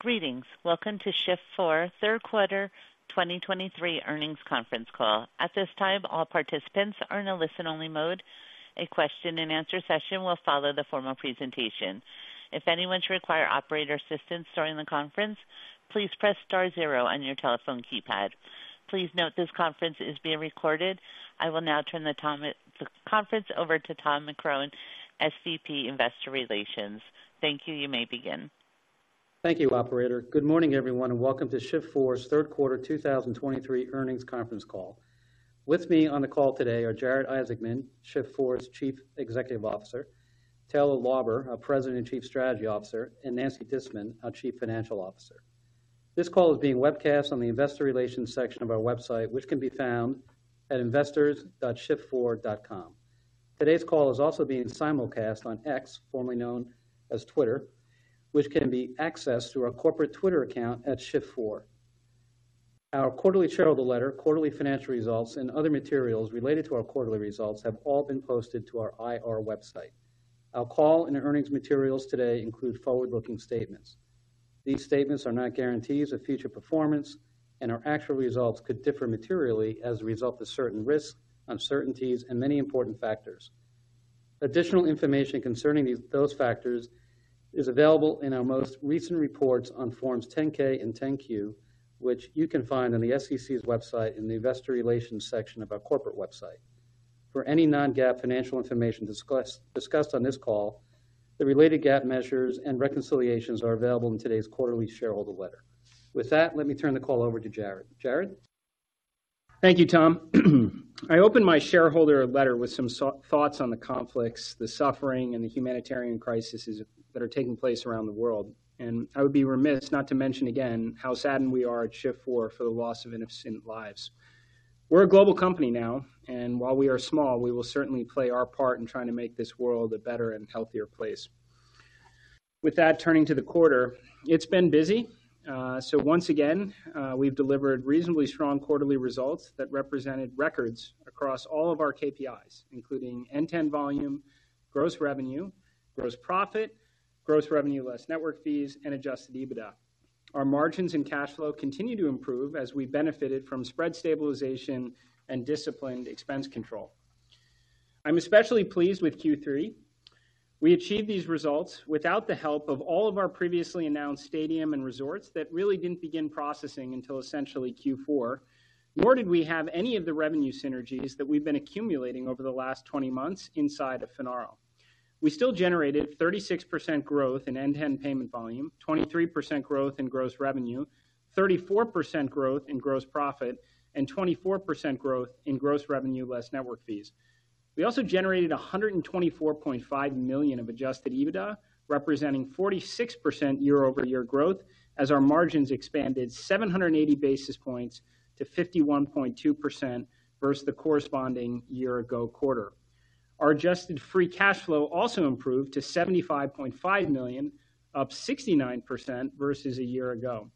Greetings! Welcome to Shift4's third quarter 2023 earnings conference call. At this time, all participants are in a listen-only mode. A question-and-answer session will follow the formal presentation. If anyone should require operator assistance during the conference, please press star zero on your telephone keypad. Please note this conference is being recorded. I will now turn the time, the conference over to Tom McCrohan, SVP, Investor Relations. Thank you. You may begin. Thank you, operator. Good morning, everyone, and welcome to Shift4's third quarter 2023 earnings conference call. With me on the call today are Jared Isaacman, Shift4's Chief Executive Officer, Taylor Lauber, our President and Chief Strategy Officer, and Nancy Disman, our Chief Financial Officer. This call is being webcast on the investor relations section of our website, which can be found at investors.shift4.com. Today's call is also being simulcast on X, formerly known as Twitter, which can be accessed through our corporate Twitter account at Shift4. Our quarterly shareholder letter, quarterly financial results, and other materials related to our quarterly results have all been posted to our IR website. Our call and earnings materials today include forward-looking statements. These statements are not guarantees of future performance, and our actual results could differ materially as a result of certain risks, uncertainties, and many important factors. Additional information concerning these, those factors is available in our most recent reports on Forms 10-K and 10-Q, which you can find on the SEC's website in the Investor Relations section of our corporate website. For any non-GAAP financial information discussed on this call, the related GAAP measures and reconciliations are available in today's quarterly shareholder letter. With that, let me turn the call over to Jared. Jared? Thank you, Tom. I opened my shareholder letter with some thoughts on the conflicts, the suffering, and the humanitarian crises that are taking place around the world, and I would be remiss not to mention again how saddened we are at Shift4 for the loss of innocent lives. We're a global company now, and while we are small, we will certainly play our part in trying to make this world a better and healthier place. With that, turning to the quarter, it's been busy. So once again, we've delivered reasonably strong quarterly results that represented records across all of our KPIs, including end-to-end volume, gross revenue, gross profit, gross revenue less network fees, and adjusted EBITDA. Our margins and cash flow continue to improve as we benefited from spread stabilization and disciplined expense control. I'm especially pleased with Q3. We achieved these results without the help of all of our previously announced stadium and resorts that really didn't begin processing until essentially Q4, nor did we have any of the revenue synergies that we've been accumulating over the last 20 months inside of Finaro. We still generated 36% growth in end-to-end payment volume, 23% growth in gross revenue, 34% growth in gross profit, and 24 growth in gross revenue less network fees. We also generated $124.5 million of adjusted EBITDA, representing 46% year-over-year growth, as our margins expanded 780 basis points to 51.2% versus the corresponding year ago quarter. Our adjusted free cash flow also improved to $75.5 million, up 69% versus a year ago.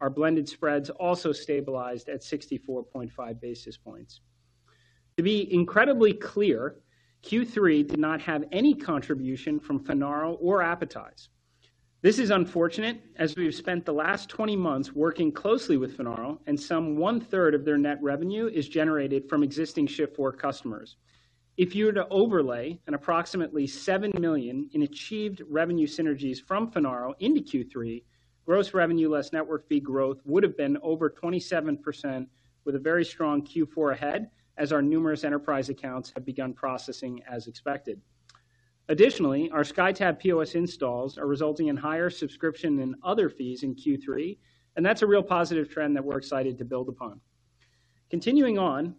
Our blended spreads also stabilized at 64.5 basis points. To be incredibly clear, Q3 did not have any contribution from Finaro or Appetize. This is unfortunate, as we've spent the last 20 months working closely with Finaro, and some 1/3 of their net revenue is generated from existing Shift4 customers. If you were to overlay an approximately $7 million in achieved revenue synergies from Finaro into Q3, gross revenue less network fee growth would have been over 27% with a very strong Q4 ahead, as our numerous enterprise accounts have begun processing as expected. Additionally, our SkyTab POS installs are resulting in higher subscription and other fees in Q3, and that's a real positive trend that we're excited to build upon. Continuing on,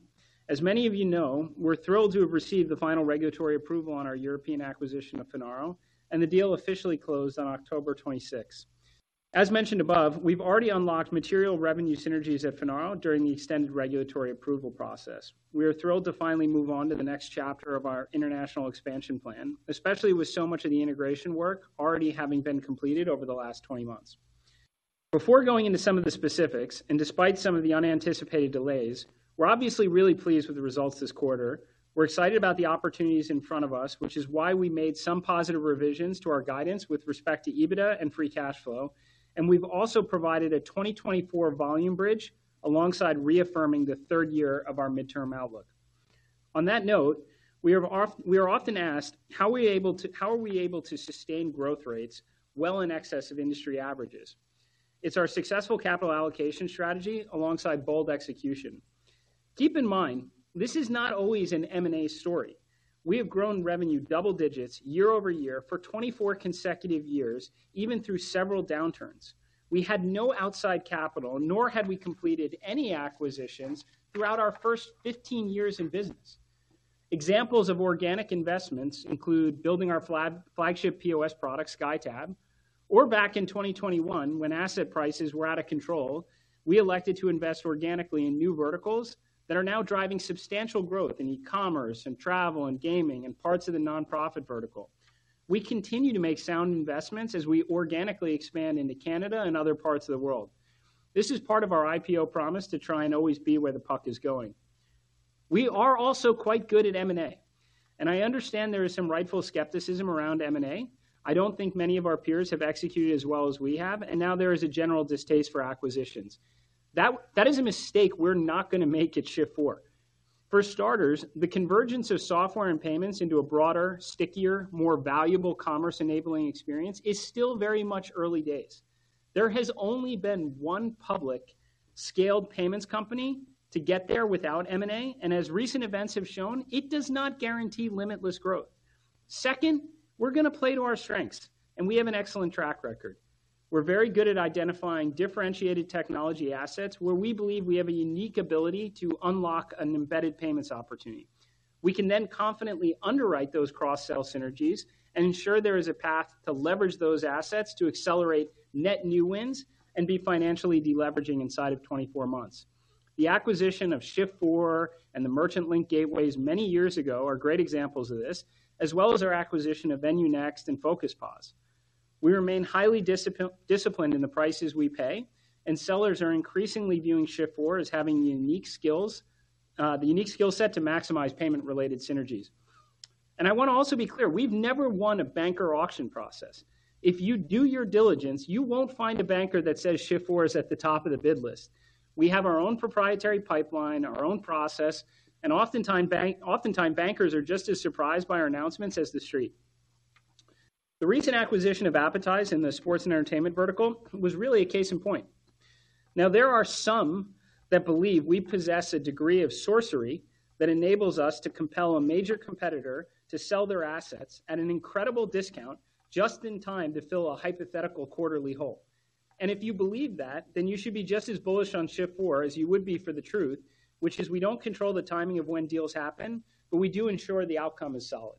as many of you know, we're thrilled to have received the final regulatory approval on our European acquisition of Finaro, and the deal officially closed on October 26th. As mentioned above, we've already unlocked material revenue synergies at Finaro during the extended regulatory approval process. We are thrilled to finally move on to the next chapter of our international expansion plan, especially with so much of the integration work already having been completed over the last 20 months. Before going into some of the specifics, and despite some of the unanticipated delays, we're obviously really pleased with the results this quarter. We're excited about the opportunities in front of us, which is why we made some positive revisions to our guidance with respect to EBITDA and free cash flow, and we've also provided a 2024 volume bridge alongside reaffirming the third year of our midterm outlook. On that note, we are often asked, how are we able to sustain growth rates well in excess of industry averages? It's our successful capital allocation strategy alongside bold execution. Keep in mind, this is not always an M&A story. We have grown revenue double digits year-over-year for 24 consecutive years, even through several downturns. We had no outside capital, nor had we completed any acquisitions throughout our first 15 years in business. Examples of organic investments include building our flagship POS product, SkyTab, or back in 2021, when asset prices were out of control, we elected to invest organically in new verticals that are now driving substantial growth in e-commerce and travel and gaming and parts of the nonprofit vertical. We continue to make sound investments as we organically expand into Canada and other parts of the world. This is part of our IPO promise to try and always be where the puck is going.... We are also quite good at M&A, and I understand there is some rightful skepticism around M&A. I don't think many of our peers have executed as well as we have, and now there is a general distaste for acquisitions. That is a mistake we're not going to make at Shift4. For starters, the convergence of software and payments into a broader, stickier, more valuable commerce-enabling experience is still very much early days. There has only been one public scaled payments company to get there without M&A, and as recent events have shown, it does not guarantee limitless growth. Second, we're going to play to our strengths, and we have an excellent track record. We're very good at identifying differentiated technology assets, where we believe we have a unique ability to unlock an embedded payments opportunity. We can then confidently underwrite those cross-sell synergies and ensure there is a path to leverage those assets to accelerate net new wins and be financially deleveraging inside of 24 months. The acquisition of Shift4 and the merchant link Gateways many years ago are great examples of this, as well as our acquisition of VenueNext and Focus POS. We remain highly disciplined in the prices we pay, and sellers are increasingly viewing Shift4 as having the unique skills, the unique skill set to maximize payment-related synergies. I want to also be clear, we've never won a banker auction process. If you do your diligence, you won't find a banker that says Shift4 is at the top of the bid list. We have our own proprietary pipeline, our own process, and oftentimes, bankers are just as surprised by our announcements as the street. The recent acquisition of Appetize in the sports and entertainment vertical was really a case in point. Now, there are some that believe we possess a degree of sorcery that enables us to compel a major competitor to sell their assets at an incredible discount, just in time to fill a hypothetical quarterly hole. If you believe that, then you should be just as bullish on Shift4 as you would be for the truth, which is we don't control the timing of when deals happen, but we do ensure the outcome is solid.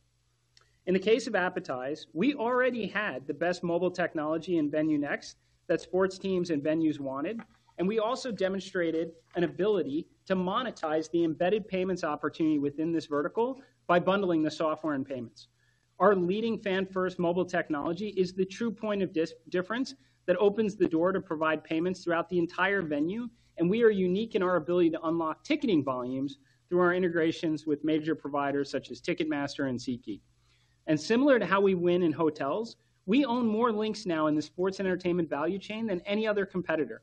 In the case of Appetize, we already had the best mobile technology in VenueNext, that sports teams and venues wanted, and we also demonstrated an ability to monetize the embedded payments opportunity within this vertical by bundling the software and payments. Our leading fan-first mobile technology is the true point of difference that opens the door to provide payments throughout the entire venue, and we are unique in our ability to unlock ticketing volumes through our integrations with major providers such as Ticketmaster and SeatGeek. Similar to how we win in hotels, we own more links now in the sports and entertainment value chain than any other competitor.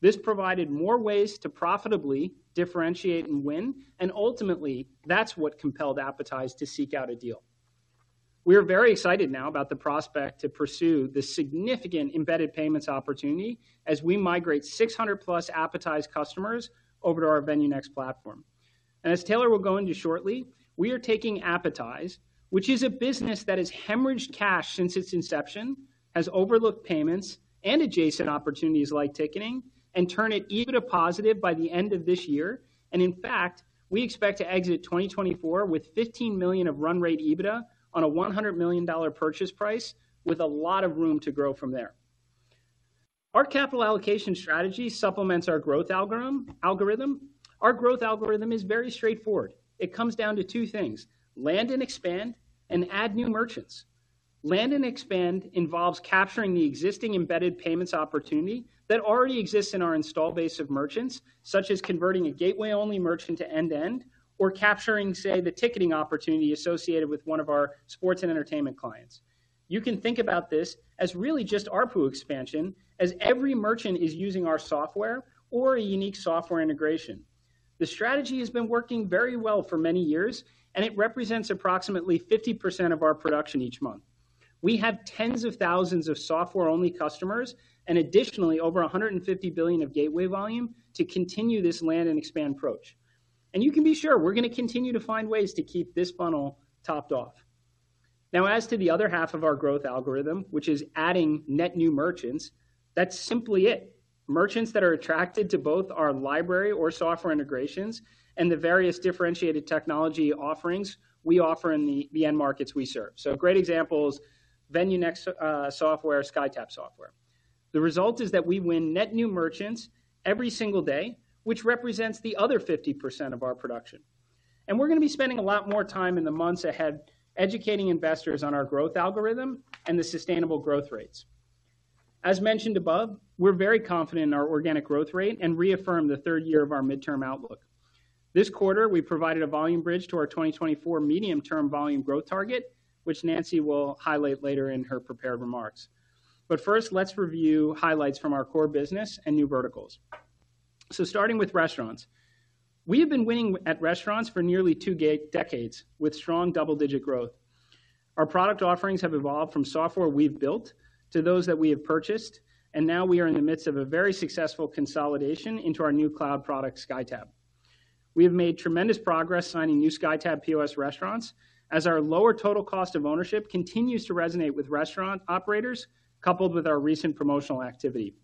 This provided more ways to profitably differentiate and win, and ultimately, that's what compelled Appetize to seek out a deal. We are very excited now about the prospect to pursue this significant embedded payments opportunity as we migrate 600+ Appetize customers over to our VenueNext platform. As Taylor will go into shortly, we are taking Appetize, which is a business that has hemorrhaged cash since its inception, has overlooked payments and adjacent opportunities like ticketing, and turn it EBITDA positive by the end of this year. In fact, we expect to exit 2024 with $15 million of run rate EBITDA on a $100 million purchase price, with a lot of room to grow from there. Our capital allocation strategy supplements our growth algorithm. Our growth algorithm is very straightforward. It comes down to two things: land and expand, and add new merchants. Land and expand involves capturing the existing embedded payments opportunity that already exists in our install base of merchants, such as converting a Gateway-only merchant to end-to-end or capturing, say, the ticketing opportunity associated with one of our sports and entertainment clients. You can think about this as really just ARPU expansion, as every merchant is using our software or a unique software integration. The strategy has been working very well for many years, and it represents approximately 50% of our production each month. We have tens of thousands of software-only customers and additionally, over $150 billion of Gateway volume to continue this land-and-expand approach. You can be sure we're going to continue to find ways to keep this funnel topped off. Now, as to the other half of our growth algorithm, which is adding net new merchants, that's simply it. Merchants that are attracted to both our library or software integrations and the various differentiated technology offerings we offer in the end markets we serve. So a great example is VenueNext software, SkyTab software. The result is that we win net new merchants every single day, which represents the other 50% of our production. We're going to be spending a lot more time in the months ahead, educating investors on our growth algorithm and the sustainable growth rates. As mentioned above, we're very confident in our organic growth rate and reaffirm the third year of our midterm outlook. This quarter, we provided a volume bridge to our 2024 medium-term volume growth target, which Nancy will highlight later in her prepared remarks. First, let's review highlights from our core business and new verticals. Starting with restaurants. We have been winning at restaurants for nearly two decades, with strong double-digit growth. Our product offerings have evolved from software we've built to those that we have purchased, and now we are in the midst of a very successful consolidation into our new cloud product, SkyTab. We have made tremendous progress signing new SkyTab POS restaurants, as our lower total cost of ownership continues to resonate with restaurant operators, coupled with our recent promotional activity.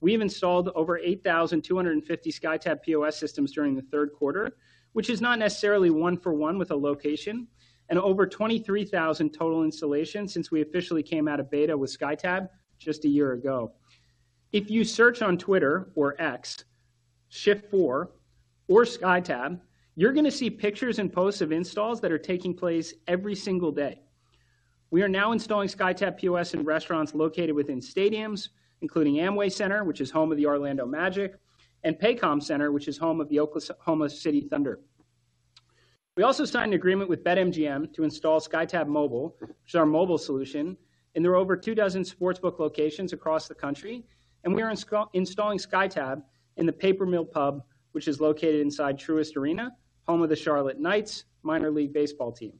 We've installed over 8,250 SkyTab POS systems during the third quarter, which is not necessarily one for one with a location, and over 23,000 total installations since we officially came out of beta with SkyTab just a year ago. If you search on Twitter or X, Shift4 or SkyTab, you're going to see pictures and posts of installs that are taking place every single day.... We are now installing SkyTab POS in restaurants located within stadiums, including Amway Center, which is home of the Orlando Magic, and Paycom Center, which is home of the Oklahoma City Thunder. We also signed an agreement with BetMGM to install SkyTab Mobile, which is our mobile solution, and there are over 24 sportsbook locations across the country, and we are installing SkyTab in the Paper Mill Pub, which is located inside Truist Arena, home of the Charlotte Knights Minor League Baseball team.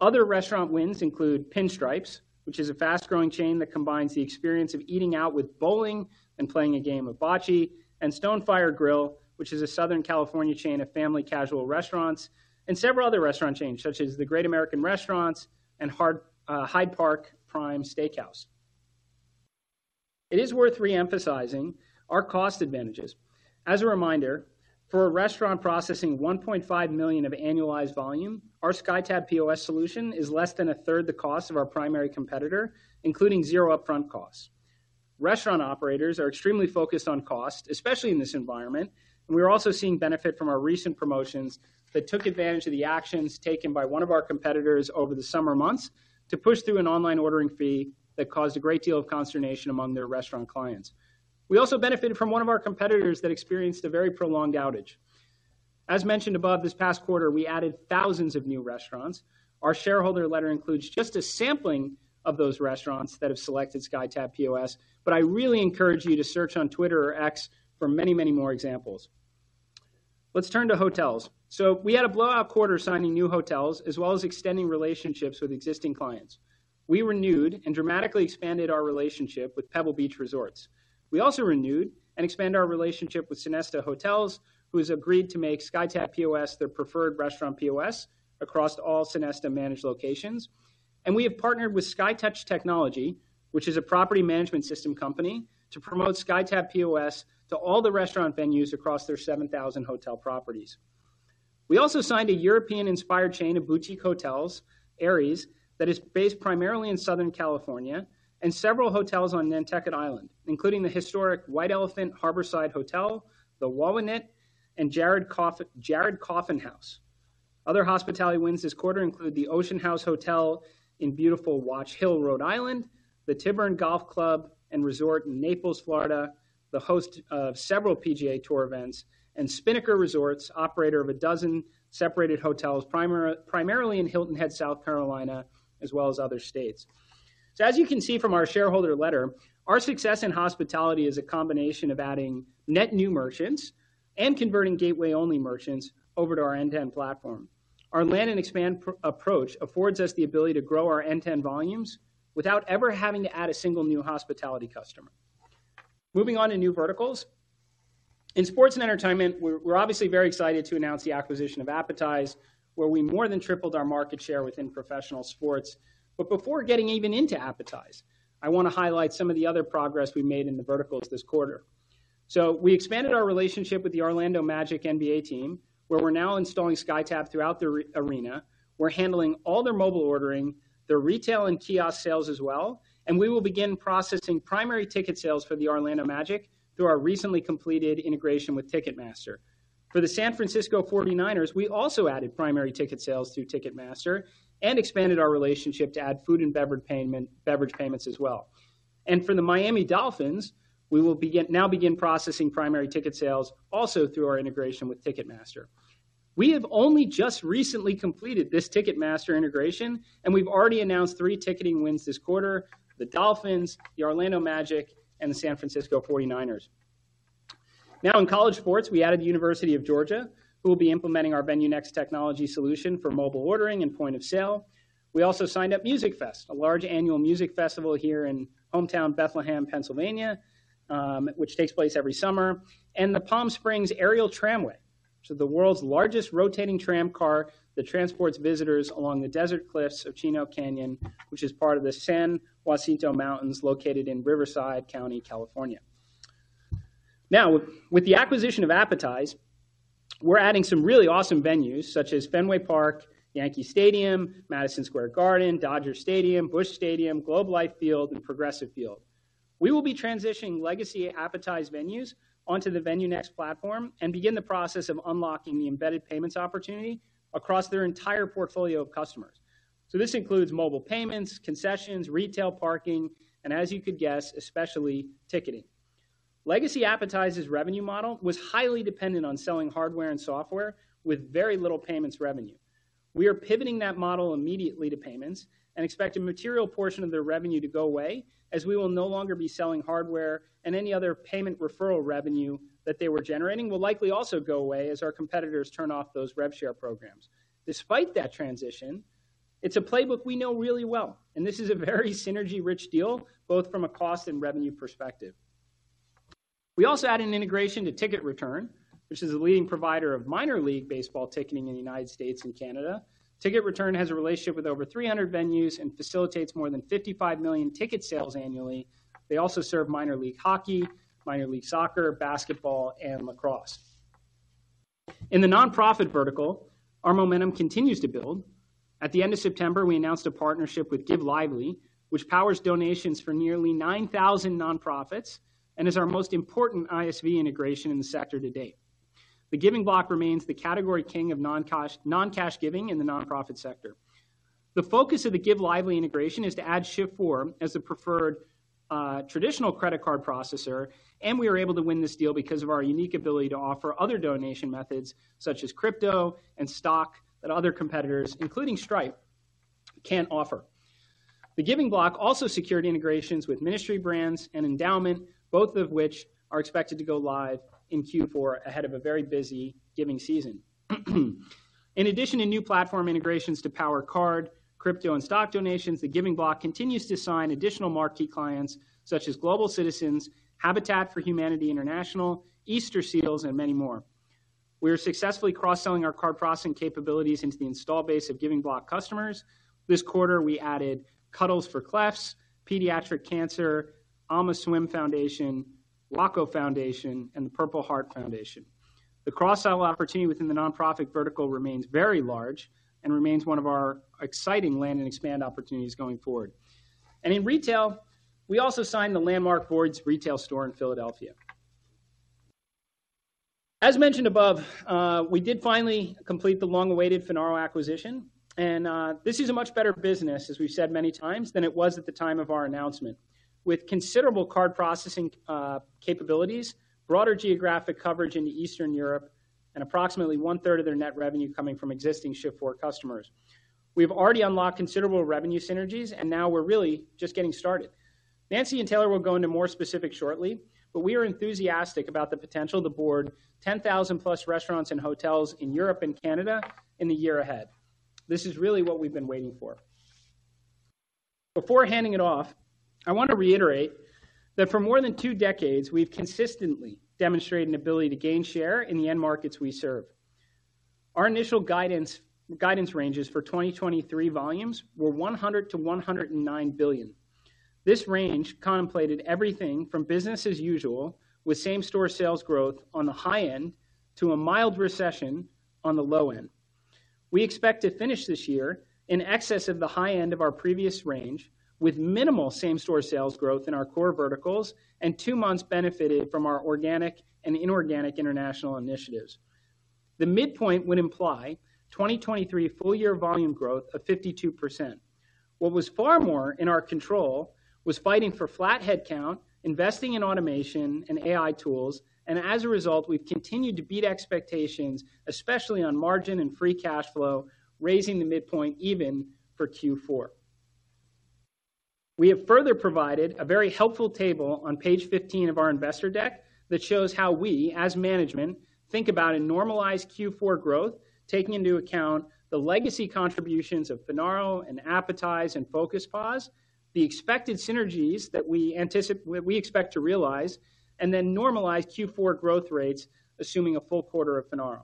Other restaurant wins include Pinstripes, which is a fast-growing chain that combines the experience of eating out with bowling and playing a game of bocce, and Stonefire Grill, which is a Southern California chain of family casual restaurants, and several other restaurant chains, such as the Great American Restaurants and Hyde Park Prime Steakhouse. It is worth reemphasizing our cost advantages. As a reminder, for a restaurant processing $1.5 million of annualized volume, our SkyTab POS solution is less than a third the cost of our primary competitor, including zero upfront costs. Restaurant operators are extremely focused on cost, especially in this environment, and we are also seeing benefit from our recent promotions that took advantage of the actions taken by one of our competitors over the summer months to push through an online ordering fee that caused a great deal of consternation among their restaurant clients. We also benefited from one of our competitors that experienced a very prolonged outage. As mentioned above, this past quarter, we added thousands of new restaurants. Our shareholder letter includes just a sampling of those restaurants that have selected SkyTab POS, but I really encourage you to search on Twitter or X for many, many more examples. Let's turn to hotels. So we had a blowout quarter signing new hotels, as well as extending relationships with existing clients. We renewed and dramatically expanded our relationship with Pebble Beach Resorts. We also renewed and expanded our relationship with Sonesta Hotels, who has agreed to make SkyTab POS their preferred restaurant POS across all Sonesta-managed locations. And we have partnered with SkyTouch Technology, which is a property management system company, to promote SkyTab POS to all the restaurant venues across their 7,000 hotel properties. We also signed a European-inspired chain of boutique hotels, Ayres, that is based primarily in Southern California, and several hotels on Nantucket Island, including the historic White Elephant Harborside Hotel, the Wauwinet, and Jared Coffin House. Other hospitality wins this quarter include the Ocean House Hotel in beautiful Watch Hill, Rhode Island, the Tiburon Golf Club and Resort in Naples, Florida, the host of several PGA Tour events, and Spinnaker Resorts, operator of a dozen separated hotels, primarily in Hilton Head, South Carolina, as well as other states. So as you can see from our shareholder letter, our success in hospitality is a combination of adding net new merchants and converting Gateway-only merchants over to our end-to-end platform. Our land and expand approach affords us the ability to grow our end-to-end volumes without ever having to add a single new hospitality customer. Moving on to new verticals. In sports and entertainment, we're obviously very excited to announce the acquisition of Appetize, where we more than tripled our market share within professional sports. But before getting even into Appetize, I want to highlight some of the other progress we made in the verticals this quarter. So we expanded our relationship with the Orlando Magic NBA team, where we're now installing SkyTab throughout the arena. We're handling all their mobile ordering, their retail and kiosk sales as well, and we will begin processing primary ticket sales for the Orlando Magic through our recently completed integration with Ticketmaster. For the San Francisco 49ers, we also added primary ticket sales through Ticketmaster and expanded our relationship to add food and beverage payments as well. And for the Miami Dolphins, we will begin processing primary ticket sales also through our integration with Ticketmaster. We have only just recently completed this Ticketmaster integration, and we've already announced three ticketing wins this quarter: the Dolphins, the Orlando Magic, and the San Francisco 49ers. Now, in college sports, we added the University of Georgia, who will be implementing our VenueNext technology solution for mobile ordering and point of sale. We also signed up Musikfest, a large annual music festival here in hometown Bethlehem, Pennsylvania, which takes place every summer, and the Palm Springs Aerial Tramway, so the world's largest rotating tram car that transports visitors along the desert cliffs of Chino Canyon, which is part of the San Jacinto Mountains, located in Riverside County, California. Now, with the acquisition of Appetize, we're adding some really awesome venues, such as Fenway Park, Yankee Stadium, Madison Square Garden, Dodger Stadium, Busch Stadium, Globe Life Field, and Progressive Field. We will be transitioning legacy Appetize venues onto the VenueNext platform and begin the process of unlocking the embedded payments opportunity across their entire portfolio of customers. So this includes mobile payments, concessions, retail parking, and as you could guess, especially ticketing. Legacy Appetize's revenue model was highly dependent on selling hardware and software with very little payments revenue. We are pivoting that model immediately to payments and expect a material portion of their revenue to go away, as we will no longer be selling hardware, and any other payment referral revenue that they were generating will likely also go away as our competitors turn off those rev share programs. Despite that transition, it's a playbook we know really well, and this is a very synergy-rich deal, both from a cost and revenue perspective. We also added an integration to TicketReturn, which is a leading provider of Minor League Baseball ticketing in the United States and Canada. TicketReturn has a relationship with over 300 venues and facilitates more than 55 million ticket sales annually. They also serve minor league hockey, minor league soccer, basketball, and lacrosse. In the nonprofit vertical, our momentum continues to build. At the end of September, we announced a partnership with Give Lively, which powers donations for nearly 9,000 nonprofits and is our most important ISV integration in the sector to date. The Giving Block remains the category king of non-cash, non-cash giving in the nonprofit sector. The focus of the Give Lively integration is to add Shift4 as the preferred traditional credit card processor, and we are able to win this deal because of our unique ability to offer other donation methods such as crypto and stock, that other competitors, including Stripe, can't offer. The Giving Block also secured integrations with Ministry Brands and Endaoment, both of which are expected to go live in Q4 ahead of a very busy giving season. In addition to new platform integrations to power card, crypto, and stock donations, The Giving Block continues to sign additional marquee clients such as Global Citizen, Habitat for Humanity International, Easterseals, and many more. We are successfully cross-selling our card processing capabilities into the install base of Giving Block customers. This quarter, we added Cuddles for Clefts, Pediatric Cancer, Ulman Foundation, Waco Foundation, and the Purple Heart Foundation. The cross-sell opportunity within the nonprofit vertical remains very large and remains one of our exciting land and expand opportunities going forward. In retail, we also signed the landmark Boyds' retail store in Philadelphia. As mentioned above, we did finally complete the long-awaited Finaro acquisition, and this is a much better business, as we've said many times, than it was at the time of our announcement. With considerable card processing capabilities, broader geographic coverage into Eastern Europe, and approximately 1/3 of their net revenue coming from existing Shift4 customers. We've already unlocked considerable revenue synergies, and now we're really just getting started. Nancy and Taylor will go into more specific shortly, but we are enthusiastic about the potential to board 10,000+ restaurants and hotels in Europe and Canada in the year ahead. This is really what we've been waiting for. Before handing it off, I want to reiterate that for more than two decades, we've consistently demonstrated an ability to gain share in the end markets we serve. Our initial guidance ranges for 2023 volumes were $100 billion-$109 billion. This range contemplated everything from business as usual, with same-store sales growth on the high end to a mild recession on the low end. We expect to finish this year in excess of the high end of our previous range, with minimal same-store sales growth in our core verticals, and two months benefited from our organic and inorganic international initiatives. The midpoint would imply 2023 full year volume growth of 52%. What was far more in our control was fighting for flat headcount, investing in automation and AI tools, and as a result, we've continued to beat expectations, especially on margin and free cash flow, raising the midpoint even for Q4. We have further provided a very helpful table on page 15 of our investor deck that shows how we, as management, think about a normalized Q4 growth, taking into account the legacy contributions of Finaro and Appetize and Focus POS, the expected synergies that we expect to realize, and then normalize Q4 growth rates, assuming a full quarter of Finaro.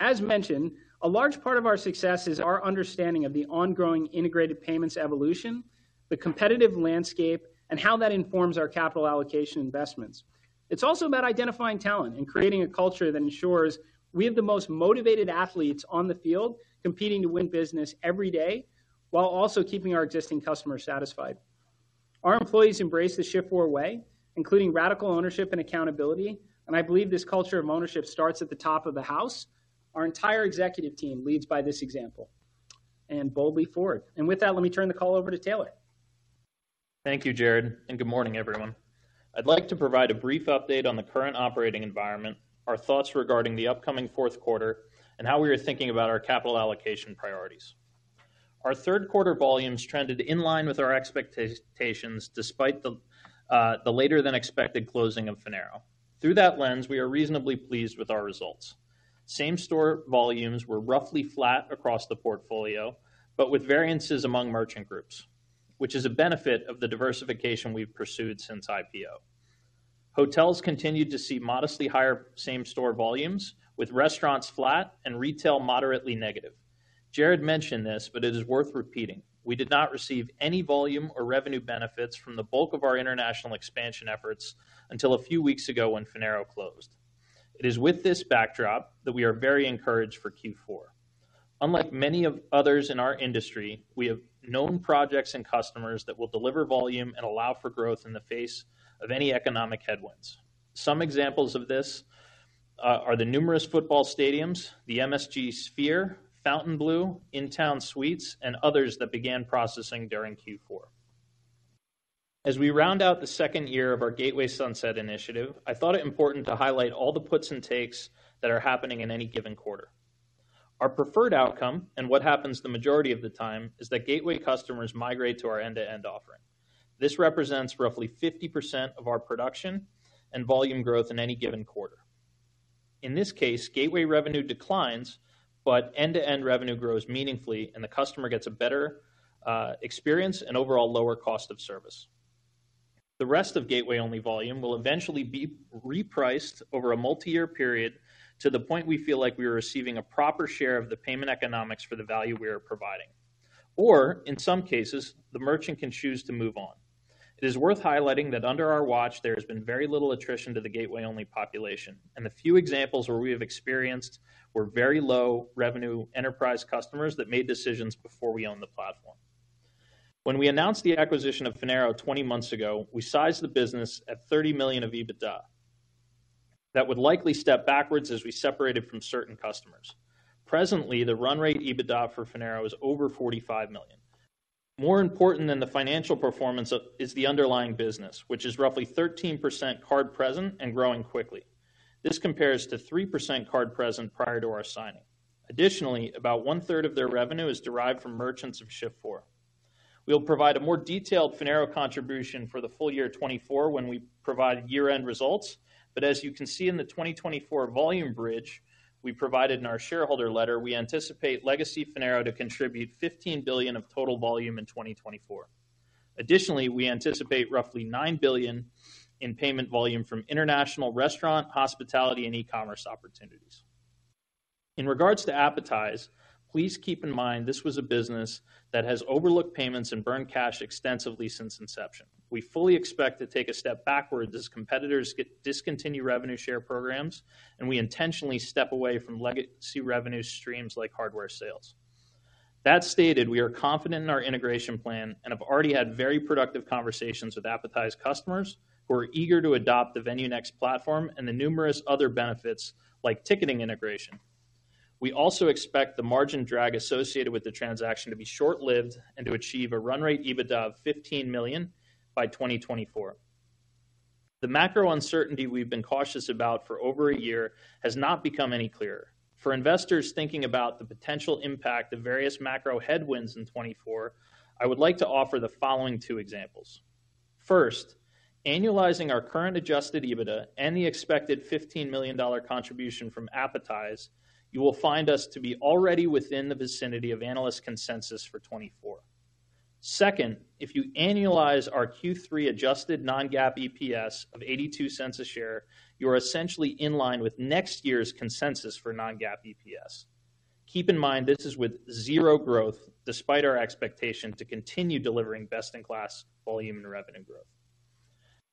As mentioned, a large part of our success is our understanding of the ongoing integrated payments evolution, the competitive landscape, and how that informs our capital allocation investments. It's also about identifying talent and creating a culture that ensures we have the most motivated athletes on the field competing to win business every day, while also keeping our existing customers satisfied. Our employees embrace the Shift4 way, including radical ownership and accountability, and I believe this culture of ownership starts at the top of the house. Our entire executive team leads by this example, and boldly forward. With that, let me turn the call over to Taylor. Thank you, Jared, and good morning, everyone. I'd like to provide a brief update on the current operating environment, our thoughts regarding the upcoming fourth quarter, and how we are thinking about our capital allocation priorities. Our third quarter volumes trended in line with our expectations, despite the later-than-expected closing of Finaro. Through that lens, we are reasonably pleased with our results. Same-store volumes were roughly flat across the portfolio, but with variances among merchant groups, which is a benefit of the diversification we've pursued since IPO. Hotels continued to see modestly higher same-store volumes, with restaurants flat and retail moderately negative. Jared mentioned this, but it is worth repeating: we did not receive any volume or revenue benefits from the bulk of our international expansion efforts until a few weeks ago when Finaro closed. It is with this backdrop that we are very encouraged for Q4. Unlike many of others in our industry, we have known projects and customers that will deliver volume and allow for growth in the face of any economic headwinds. Some examples of this are the numerous football stadiums, the MSG Sphere, Fontainebleau, InTown Suites, and others that began processing during Q4. As we round out the second year of our Gateway Sunset Initiative, I thought it important to highlight all the puts and takes that are happening in any given quarter. Our preferred outcome, and what happens the majority of the time, is that Gateway customers migrate to our end-to-end offering. This represents roughly 50% of our production and volume growth in any given quarter. In this case, Gateway revenue declines, but end-to-end revenue grows meaningfully, and the customer gets a better experience and overall lower cost of service. The rest of Gateway-only volume will eventually be repriced over a multi-year period to the point we feel like we are receiving a proper share of the payment economics for the value we are providing. Or in some cases, the merchant can choose to move on. It is worth highlighting that under our watch, there has been very little attrition to the Gateway-only population, and the few examples where we have experienced were very low revenue enterprise customers that made decisions before we owned the platform. When we announced the acquisition of Finaro 20 months ago, we sized the business at $30 million of EBITDA. That would likely step backwards as we separated from certain customers. Presently, the run rate EBITDA for Finaro is over $45 million. More important than the financial performance of, is the underlying business, which is roughly 13% card present and growing quickly. This compares to 3% card present prior to our signing. Additionally, about one-third of their revenue is derived from merchants of Shift4. We'll provide a more detailed Finaro contribution for the full year 2024 when we provide year-end results. But as you can see in the 2024 volume bridge we provided in our shareholder letter, we anticipate legacy Finaro to contribute 15 billion of total volume in 2024. Additionally, we anticipate roughly 9 billion in payment volume from international restaurant, hospitality, and e-commerce opportunities. In regards to Appetize, please keep in mind this was a business that has overlooked payments and burned cash extensively since inception. We fully expect to take a step backwards as competitors discontinue revenue share programs, and we intentionally step away from legacy revenue streams like hardware sales. That stated, we are confident in our integration plan and have already had very productive conversations with Appetize customers, who are eager to adopt the VenueNext platform and the numerous other benefits like ticketing integration. We also expect the margin drag associated with the transaction to be short-lived and to achieve a run rate EBITDA of $15 million by 2024. The macro uncertainty we've been cautious about for over a year has not become any clearer. For investors thinking about the potential impact of various macro headwinds in 2024, I would like to offer the following two examples: First, annualizing our current adjusted EBITDA and the expected $15 million contribution from Appetize, you will find us to be already within the vicinity of analyst consensus for 2024. Second, if you annualize our Q3 adjusted non-GAAP EPS of $0.82 per share, you are essentially in line with next year's consensus for non-GAAP EPS. Keep in mind, this is with zero growth, despite our expectation to continue delivering best-in-class volume and revenue growth.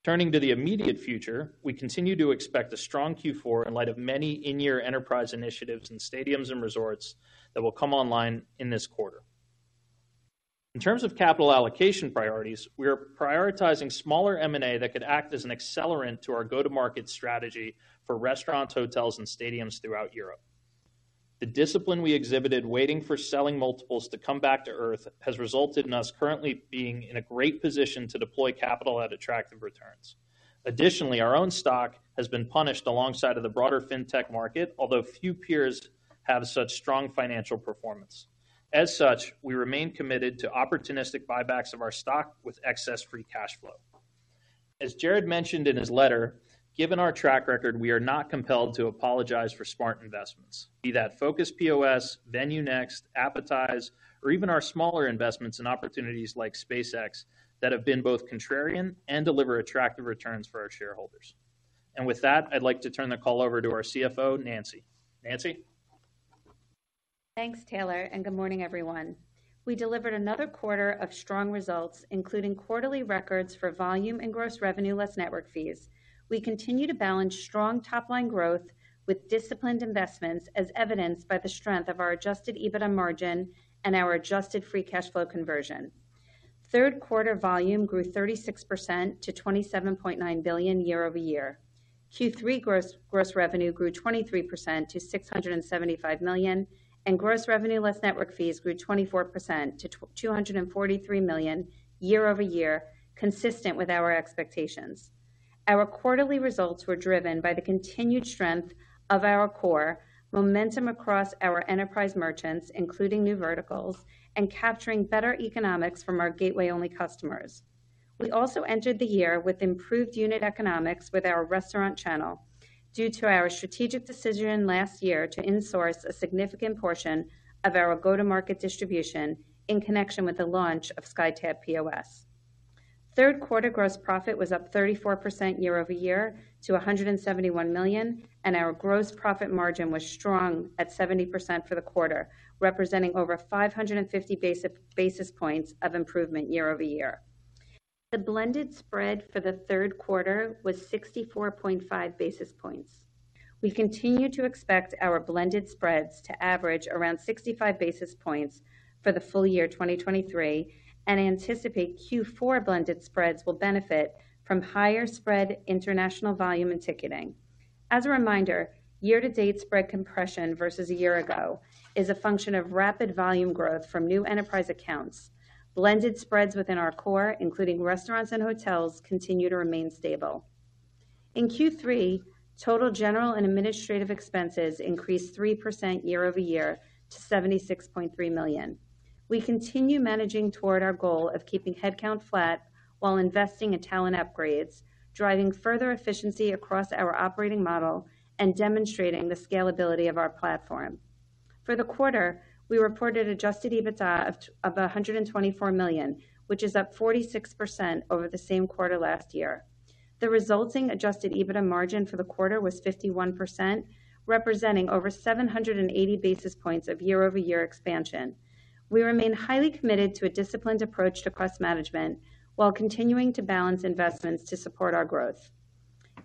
Turning to the immediate future, we continue to expect a strong Q4 in light of many in-year enterprise initiatives in stadiums and resorts that will come online in this quarter. In terms of capital allocation priorities, we are prioritizing smaller M&A that could act as an accelerant to our go-to-market strategy for restaurants, hotels, and stadiums throughout Europe. The discipline we exhibited waiting for selling multiples to come back to Earth has resulted in us currently being in a great position to deploy capital at attractive returns. Additionally, our own stock has been punished alongside of the broader fintech market, although few peers have such strong financial performance. As such, we remain committed to opportunistic buybacks of our stock with excess free cash flow. As Jared mentioned in his letter, given our track record, we are not compelled to apologize for smart investments. Be that Focus POS, VenueNext, Appetize, or even our smaller investments in opportunities like SpaceX, that have been both contrarian and deliver attractive returns for our shareholders. And with that, I'd like to turn the call over to our CFO, Nancy. Nancy? Thanks, Taylor, and good morning, everyone. We delivered another quarter of strong results, including quarterly records for volume and gross revenue, less network fees. We continue to balance strong top-line growth with disciplined investments, as evidenced by the strength of our adjusted EBITDA margin and our adjusted free cash flow conversion. Third quarter volume grew 36% to $27.9 billion year-over-year. Q3 gross revenue grew 23% to $675 million, and gross revenue, less network fees, grew 24% to $243 million year-over-year, consistent with our expectations. Our quarterly results were driven by the continued strength of our core momentum across our enterprise merchants, including new verticals, and capturing better economics from our Gateway-only customers. We also entered the year with improved unit economics with our restaurant channel, due to our strategic decision last year to insource a significant portion of our go-to-market distribution in connection with the launch of SkyTab POS. Third quarter gross profit was up 34% year-over-year to $171 million, and our gross profit margin was strong at 70% for the quarter, representing over 550 basis points of improvement year-over-year. The blended spread for the third quarter was 64.5 basis points. We continue to expect our blended spreads to average around 65 basis points for the full year 2023, and anticipate Q4 blended spreads will benefit from higher spread international volume and ticketing. As a reminder, year-to-date spread compression versus a year ago is a function of rapid volume growth from new enterprise accounts. Blended spreads within our core, including restaurants and hotels, continue to remain stable. In Q3, total general and administrative expenses increased 3% year-over-year to $76.3 million. We continue managing toward our goal of keeping headcount flat while investing in talent upgrades, driving further efficiency across our operating model, and demonstrating the scalability of our platform. For the quarter, we reported adjusted EBITDA of a hundred and twenty-four million, which is up 46% over the same quarter last year. The resulting adjusted EBITDA margin for the quarter was 51%, representing over 780 basis points of year-over-year expansion. We remain highly committed to a disciplined approach to cost management while continuing to balance investments to support our growth....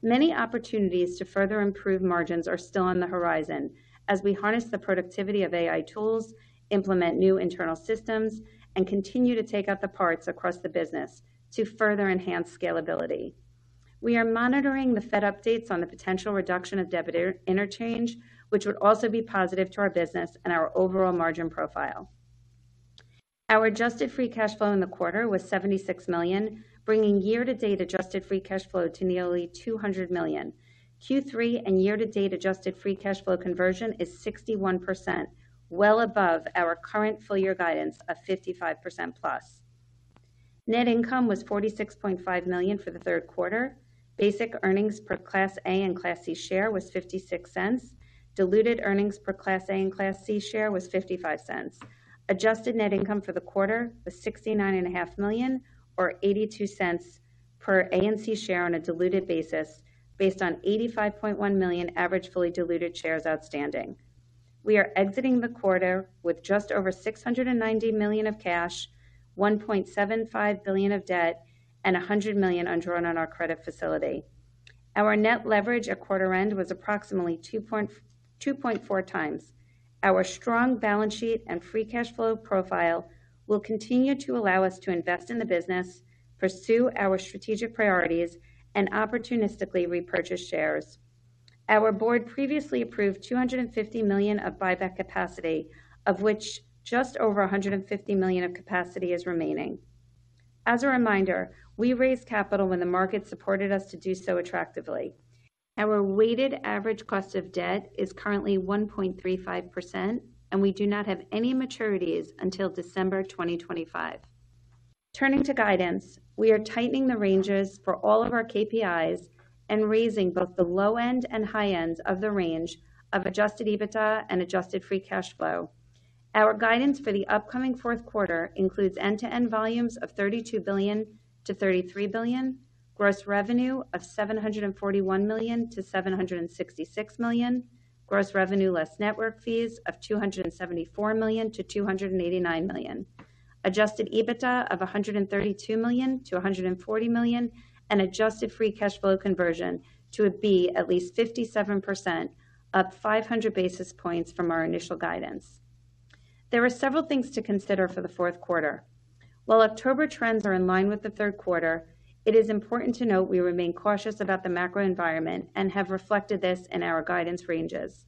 Many opportunities to further improve margins are still on the horizon as we harness the productivity of AI tools, implement new internal systems, and continue to take out the parts across the business to further enhance scalability. We are monitoring the Fed updates on the potential reduction of debit interchange, which would also be positive to our business and our overall margin profile. Our adjusted free cash flow in the quarter was $76 million, bringing year-to-date adjusted free cash flow to nearly $200 million. Q3 and year-to-date adjusted free cash flow conversion is 61%, well above our current full year guidance of 55%+. Net income was $46.5 million for the third quarter. Basic earnings per Class A and Class C share was $0.56. Diluted earnings per Class A and Class C share was $0.55. adjusted net income for the quarter was $69.5 million, or $0.82 per A and C share on a diluted basis, based on 85.1 million average fully diluted shares outstanding. We are exiting the quarter with just over $690 million of cash, $1.75 billion of debt, and $100 million undrawn on our credit facility. Our net leverage at quarter end was approximately 2.4x. Our strong balance sheet and free cash flow profile will continue to allow us to invest in the business, pursue our strategic priorities, and opportunistically repurchase shares. Our board previously approved $250 million of buyback capacity, of which just over $150 million of capacity is remaining. As a reminder, we raised capital when the market supported us to do so attractively. Our weighted average cost of debt is currently 1.35%, and we do not have any maturities until December 2025. Turning to guidance, we are tightening the ranges for all of our KPIs and raising both the low end and high ends of the range of adjusted EBITDA and adjusted free cash flow. Our guidance for the upcoming fourth quarter includes end-to-end volumes of $32 billion-$33 billion, gross revenue of $741 million-$766 million, gross revenue less network fees of $274 million-$289 million. adjusted EBITDA of $132 million-$140 million, and adjusted free cash flow conversion to be at least 57%, up 500 basis points from our initial guidance. There are several things to consider for the fourth quarter. While October trends are in line with the third quarter, it is important to note we remain cautious about the macro environment and have reflected this in our guidance ranges.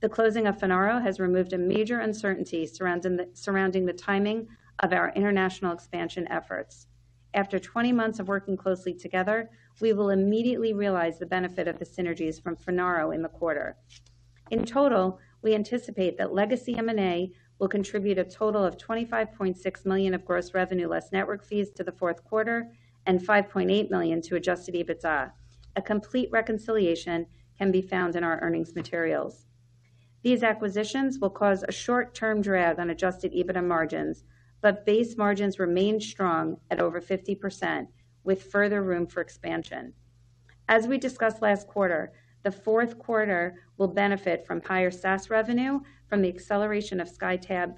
The closing of Finaro has removed a major uncertainty surrounding the timing of our international expansion efforts. After 20 months of working closely together, we will immediately realize the benefit of the synergies from Finaro in the quarter. In total, we anticipate that legacy M&A will contribute a total of $25.6 million of gross revenue less network fees to the fourth quarter and $5.8 million to adjusted EBITDA. A complete reconciliation can be found in our earnings materials. These acquisitions will cause a short-term drag on adjusted EBITDA margins, but base margins remain strong at over 50%, with further room for expansion. As we discussed last quarter, the fourth quarter will benefit from higher SaaS revenue, from the acceleration of SkyTab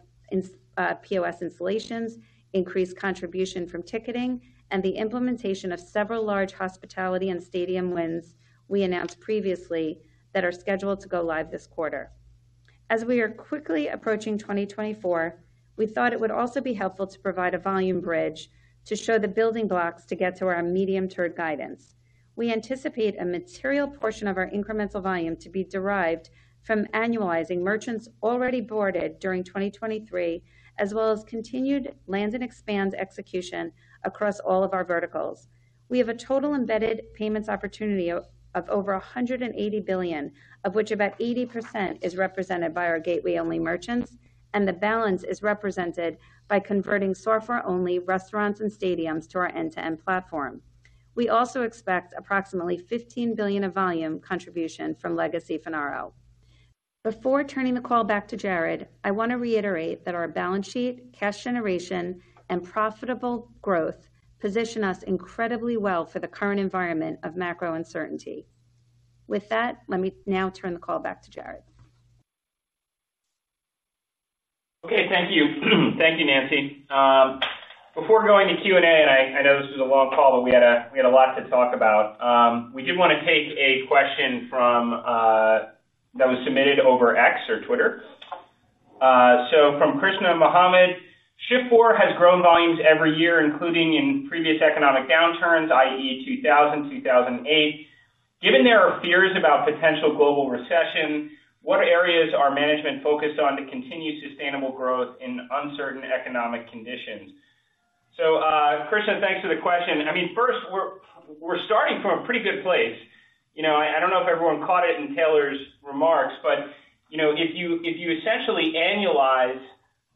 POS installations, increased contribution from ticketing, and the implementation of several large hospitality and stadium wins we announced previously that are scheduled to go live this quarter. As we are quickly approaching 2024, we thought it would also be helpful to provide a volume bridge to show the building blocks to get to our medium-term guidance. We anticipate a material portion of our incremental volume to be derived from annualizing merchants already boarded during 2023, as well as continued lands and expands execution across all of our verticals. We have a total embedded payments opportunity of over $180 billion, of which about 80% is represented by our Gateway-only merchants, and the balance is represented by converting software-only restaurants and stadiums to our end-to-end platform. We also expect approximately $15 billion of volume contribution from legacy Finaro. Before turning the call back to Jared, I want to reiterate that our balance sheet, cash generation, and profitable growth position us incredibly well for the current environment of macro uncertainty. With that, let me now turn the call back to Jared. Okay, thank you. Thank you, Nancy. Before going to Q&A, and I know this was a long call, but we had a lot to talk about. We did want to take a question from that was submitted over X or Twitter. So from Krishna Mohammed, "Shift4 has grown volumes every year, including in previous economic downturns, i.e., 2000, 2008. Given there are fears about potential global recession, what areas are management focused on to continue sustainable growth in uncertain economic conditions?" So, Krishna, thanks for the question. I mean, first, we're starting from a pretty good place. You know, I, I don't know if everyone caught it in Taylor's remarks, but, you know, if you, if you essentially annualize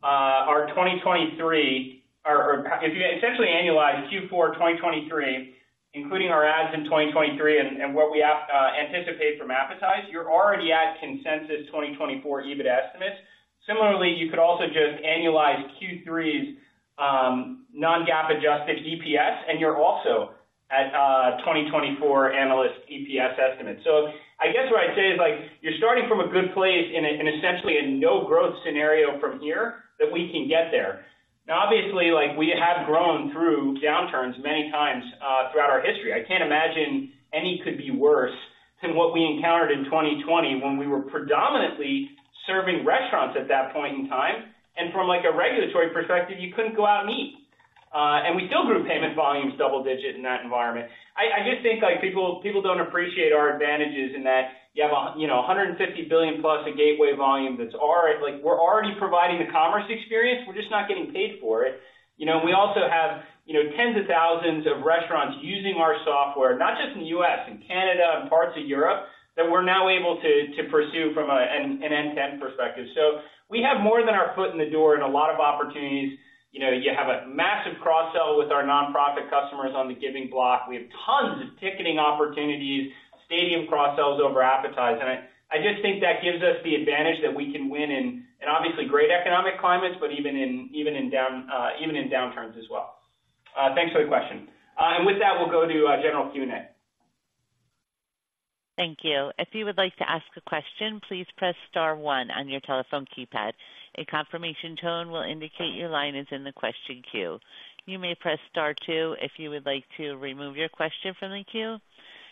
our 2023 or if you essentially annualize Q4 2023, including our ads in 2023 and what we anticipate from Appetize, you're already at consensus 2024 EBIT estimates. Similarly, you could also just annualize Q3's non-GAAP adjusted EPS, and you're also at 2024 analyst EPS estimates. So I guess what I'd say is, like, you're starting from a good place in essentially a no-growth scenario from here, that we can get there. Now, obviously, like, we have grown through downturns many times throughout our history. I can't imagine any could be worse than what we encountered in 2020, when we were predominantly serving restaurants at that point in time. From, like, a regulatory perspective, you couldn't go out and eat. We still grew payment volumes double-digit in that environment. I just think, like, people don't appreciate our advantages in that you have, you know, $150 billion+ in Gateway volume that's already—like, we're already providing the commerce experience, we're just not getting paid for it. You know, we also have, you know, tens of thousands of restaurants using our software, not just in the U.S., in Canada and parts of Europe, that we're now able to pursue from a, an end-to-end perspective. So we have more than our foot in the door and a lot of opportunities. You know, you have a massive cross-sell with our nonprofit customers on the Giving Block. We have tons of ticketing opportunities, stadium cross-sells over Appetize. I just think that gives us the advantage that we can win in obviously great economic climates, but even in downturns as well. Thanks for the question. With that, we'll go to our general Q&A. Thank you. If you would like to ask a question, please press star one on your telephone keypad. A confirmation tone will indicate your line is in the question queue. You may press star two if you would like to remove your question from the queue.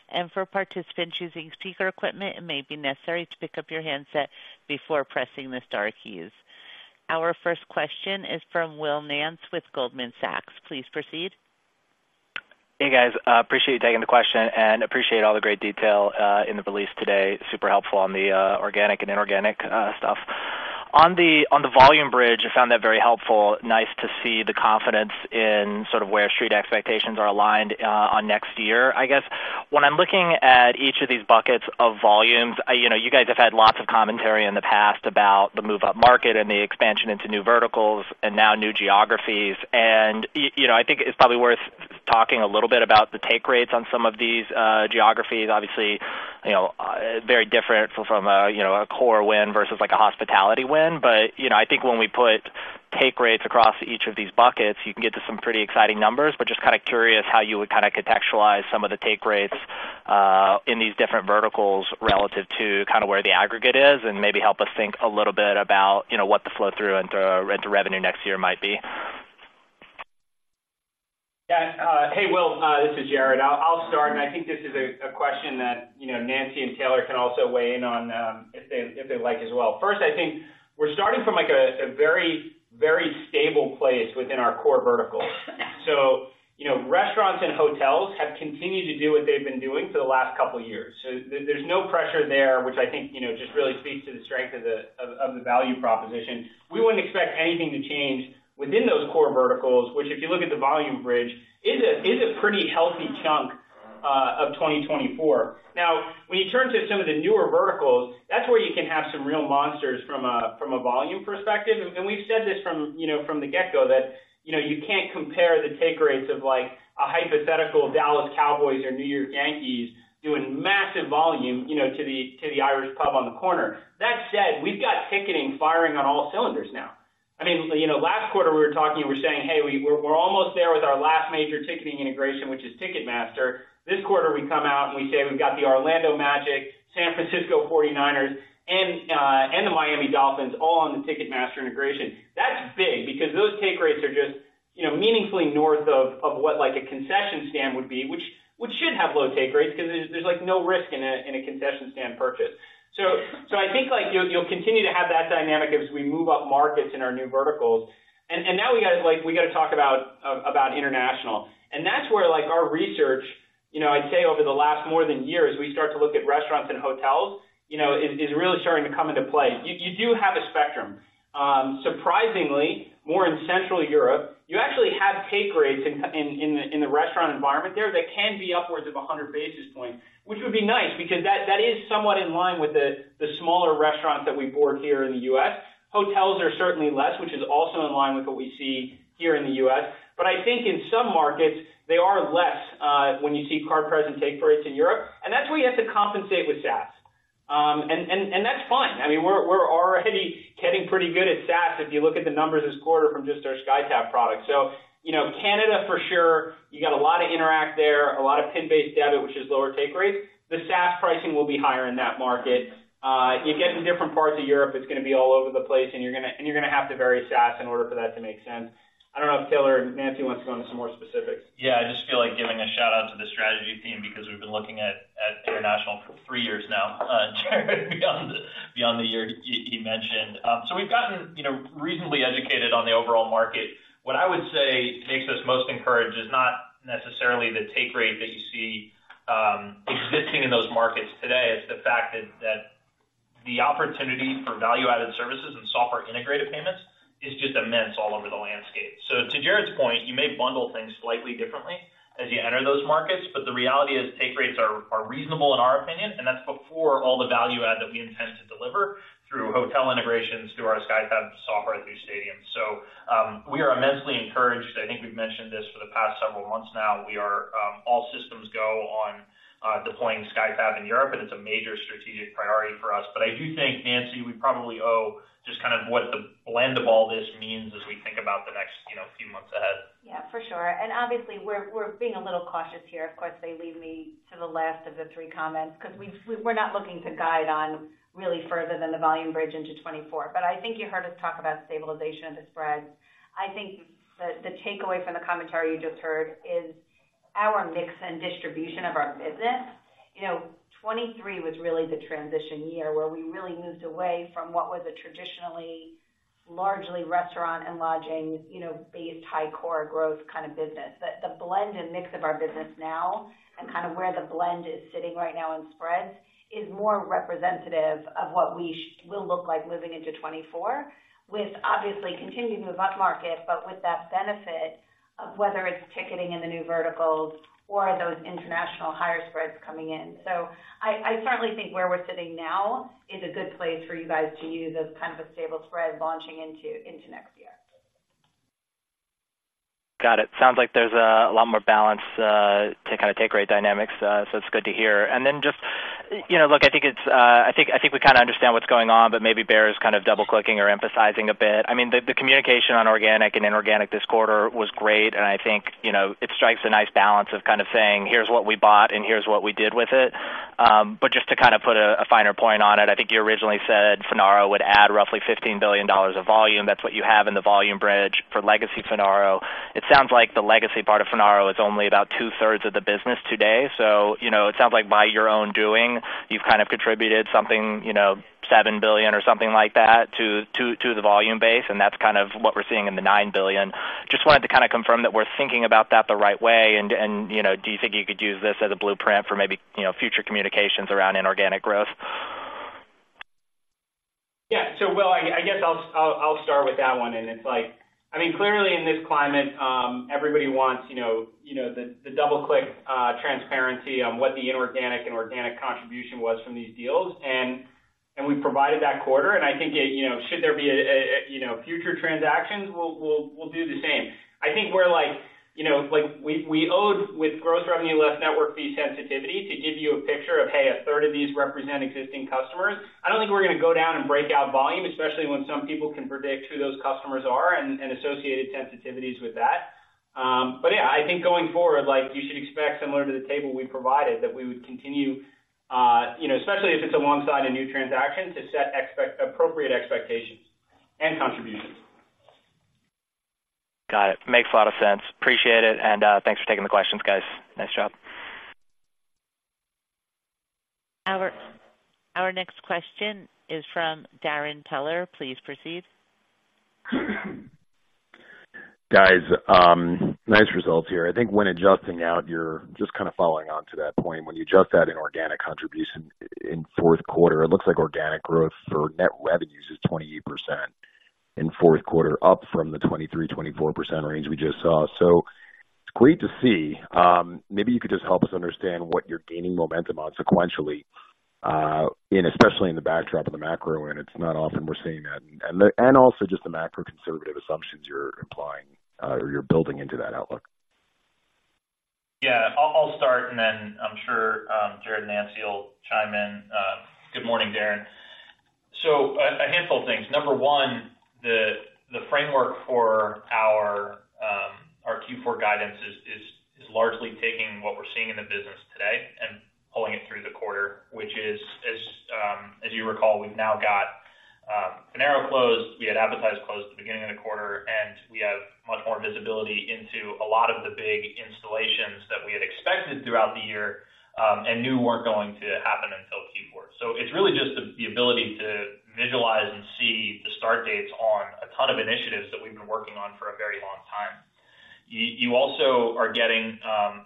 And for participants using speaker equipment, it may be necessary to pick up your handset before pressing the star keys. Our first question is from Will Nance with Goldman Sachs. Please proceed. Hey, guys, appreciate you taking the question and appreciate all the great detail in the release today. Super helpful on the organic and inorganic stuff. On the volume bridge, I found that very helpful. Nice to see the confidence in sort of where street expectations are aligned on next year. I guess, when I'm looking at each of these buckets of volumes, you know, you guys have had lots of commentary in the past about the move-up market and the expansion into new verticals and now new geographies. And you know, I think it's probably worth talking a little bit about the take rates on some of these geographies. Obviously, you know, very different from a core win versus, like, a hospitality win. But, you know, I think when we put take rates across each of these buckets, you can get to some pretty exciting numbers. But just kind of curious how you would kind of contextualize some of the take rates in these different verticals relative to kind of where the aggregate is, and maybe help us think a little bit about, you know, what the flow-through into rent to revenue next year might be. Yeah. Hey, Will, this is Jared. I'll start, and I think this is a question that, you know, Nancy and Taylor can also weigh in on, if they'd like as well. First, I think we're starting from, like, a very stable place within our core verticals. So, you know, restaurants and hotels have continued to do what they've been doing for the last couple of years. So there's no pressure there, which I think, you know, just really speaks to the strength of the value proposition. We wouldn't expect anything to change within those core verticals, which, if you look at the volume bridge, is a pretty healthy chunk of 2024. Now, when you turn to some of the newer verticals, that's where you can have some real monsters from a volume perspective. And we've said this from, you know, from the get-go, that, you know, you can't compare the take rates of, like, a hypothetical Dallas Cowboys or New York Yankees doing massive volume, you know, to the Irish pub on the corner. That said, we've got ticketing firing on all cylinders now. I mean, you know, last quarter we were talking, we were saying, "Hey, we're almost there with our last major ticketing integration, which is Ticketmaster." This quarter, we come out and we say we've got the Orlando Magic, San Francisco 49ers, and the Miami Dolphins all on the Ticketmaster integration. That's big because those take rates are just, you know, meaningfully north of what, like, a concession stand would be, which should have low take rates because there's like no risk in a concession stand purchase. So I think, like, you'll continue to have that dynamic as we move up markets in our new verticals. And now we got, like, we got to talk about international, and that's where, like, our research, you know, I'd say over the last more than years, we start to look at restaurants and hotels, you know, is really starting to come into play. You do have a spectrum. Surprisingly, more in Central Europe, you actually have take rates in the restaurant environment there that can be upwards of 100 basis points, which would be nice because that is somewhat in line with the smaller restaurants that we board here in the U.S.. Hotels are certainly less, which is also in line with what we see here in the U.S.. But I think in some markets, they are less when you see card present take rates in Europe, and that's where you have to compensate with SaaS. And that's fine. I mean, we're already getting pretty good at SaaS if you look at the numbers this quarter from just our SkyTab product. So, you know, Canada for sure, you got a lot of Interac there, a lot of PIN-based debit, which is lower take rates. The SaaS pricing will be higher in that market. You get to different parts of Europe, it's going to be all over the place, and you're going to have to vary SaaS in order for that to make sense. I don't know if Taylor and Nancy wants to go into some more specifics. Yeah, I just feel like giving a shout-out to the strategy team because we've been looking at international for three years now, Jared, beyond the year he mentioned. So we've gotten, you know, reasonably educated on the overall market. What I would say makes us most encouraged is not necessarily the take rate that you see existing in those markets today. It's the fact that the opportunity for value-added services and software integrated payments is just immense all over the landscape. So to Jared's point, you may bundle things slightly differently as you enter those markets, but the reality is take rates are reasonable in our opinion, and that's before all the value add that we intend to deliver through hotel integrations, through our SkyTab software, through stadiums. So we are immensely encouraged. I think we've mentioned this for the past several months now. We are all systems go on deploying SkyTab in Europe, and it's a major strategic priority for us. But I do think, Nancy, we probably owe just kind of what the blend of all this means as we think about the next, you know, few months ahead. Yeah, for sure. And obviously, we're being a little cautious here. Of course, that leads me to the last of the three comments, because we've—we're not looking to guide on really further than the volume bridge into 2024. But I think you heard us talk about stabilization of the spread. I think the takeaway from the commentary you just heard is... our mix and distribution of our business, you know, 2023 was really the transition year where we really moved away from what was a traditionally, largely restaurant and lodging, you know, based high core growth kind of business. But the blend and mix of our business now and kind of where the blend is sitting right now in spreads is more representative of what we will look like moving into 2024, with obviously continued move upmarket, but with that benefit of whether it's ticketing in the new verticals or those international higher spreads coming in. So I, I certainly think where we're sitting now is a good place for you guys to use as kind of a stable spread launching into, into next year. Got it. Sounds like there's a lot more balance to kind of take rate dynamics, so it's good to hear. And then just, you know, look, I think it's, I think we kind of understand what's going on, but maybe Bear is kind of double-clicking or emphasizing a bit. I mean, the communication on organic and inorganic this quarter was great, and I think, you know, it strikes a nice balance of kind of saying, "Here's what we bought and here's what we did with it." But just to kind of put a finer point on it, I think you originally said Finaro would add roughly $15 billion of volume. That's what you have in the volume bridge for legacy Finaro. It sounds like the legacy part of Finaro is only about two-thirds of the business today. So, you know, it sounds like by your own doing, you've kind of contributed something, you know, $7 billion or something like that, to the volume base, and that's kind of what we're seeing in the $9 billion. Just wanted to kind of confirm that we're thinking about that the right way. And, you know, do you think you could use this as a blueprint for maybe, you know, future communications around inorganic growth? Yeah. So, well, I guess I'll start with that one, and it's like—I mean, clearly in this climate, everybody wants, you know, the double-click transparency on what the inorganic and organic contribution was from these deals, and we provided that quarter, and I think it, you know, should there be a future transactions, we'll do the same. I think we're like, you know, like we owed with gross revenue less network fee sensitivity to give you a picture of, hey, a third of these represent existing customers. I don't think we're gonna go down and break out volume, especially when some people can predict who those customers are and associated sensitivities with that. But yeah, I think going forward, like, you should expect similar to the table we provided, that we would continue, you know, especially if it's alongside a new transaction, to set appropriate expectations and contributions. Got it. Makes a lot of sense. Appreciate it, and, thanks for taking the questions, guys. Nice job. Our next question is from Darrin Peller. Please proceed. Guys, nice results here. I think when adjusting out, you're just kind of following on to that point. When you adjust that inorganic contribution in fourth quarter, it looks like organic growth of net revenues is 28% in fourth quarter, up from the 23%-24% range we just saw. So it's great to see. Maybe you could just help us understand what you're gaining momentum on sequentially, and especially in the backdrop of the macro, and it's not often we're seeing that, and also just the macro conservative assumptions you're implying, or you're building into that outlook. Yeah, I'll start, and then I'm sure Jared and Nancy will chime in. Good morning, Darrin. So a handful of things. Number one, the framework for our Q4 guidance is largely taking what we're seeing in the business today and pulling it through the quarter, which is, as you recall, we've now got Finaro closed, we had Appetize closed at the beginning of the quarter, and we have much more visibility into a lot of the big installations that we had expected throughout the year, and knew weren't going to happen until Q4. So it's really just the ability to visualize and see the start dates on a ton of initiatives that we've been working on for a very long time. You also are getting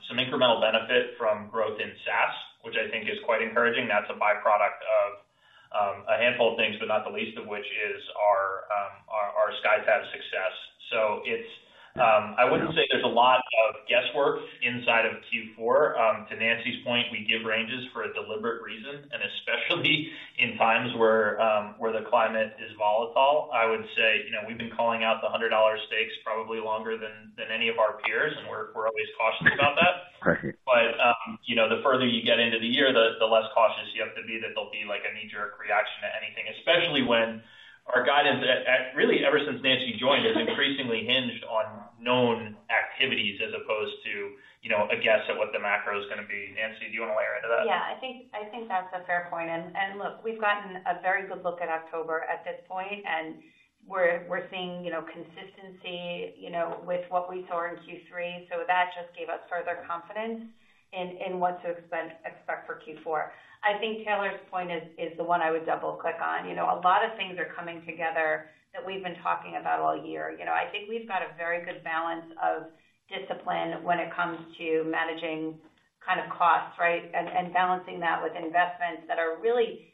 some incremental benefit from growth in SaaS, which I think is quite encouraging. That's a byproduct of a handful of things, but not the least of which is our SkyTab success. So it's Yeah. I wouldn't say there's a lot of guesswork inside of Q4. To Nancy's point, we give ranges for a deliberate reason, and especially in times where, where the climate is volatile. I would say, you know, we've been calling out the 100-dollar steaks probably longer than, than any of our peers, and we're, we're always cautious about that. Right. But, you know, the further you get into the year, the less cautious you have to be that there'll be, like, a knee-jerk reaction to anything, especially when our guidance really, ever since Nancy joined, has increasingly hinged on known activities as opposed to, you know, a guess at what the macro is gonna be. Nancy, do you want to weigh right to that? Yeah, I think, I think that's a fair point. And, and look, we've gotten a very good look at October at this point, and we're, we're seeing, you know, consistency, you know, with what we saw in Q3. So that just gave us further confidence in, in what to expect, expect for Q4. I think Taylor's point is, is the one I would double-click on. You know, a lot of things are coming together that we've been talking about all year. You know, I think we've got a very good balance of discipline when it comes to managing kind of costs, right? And, and balancing that with investments that are really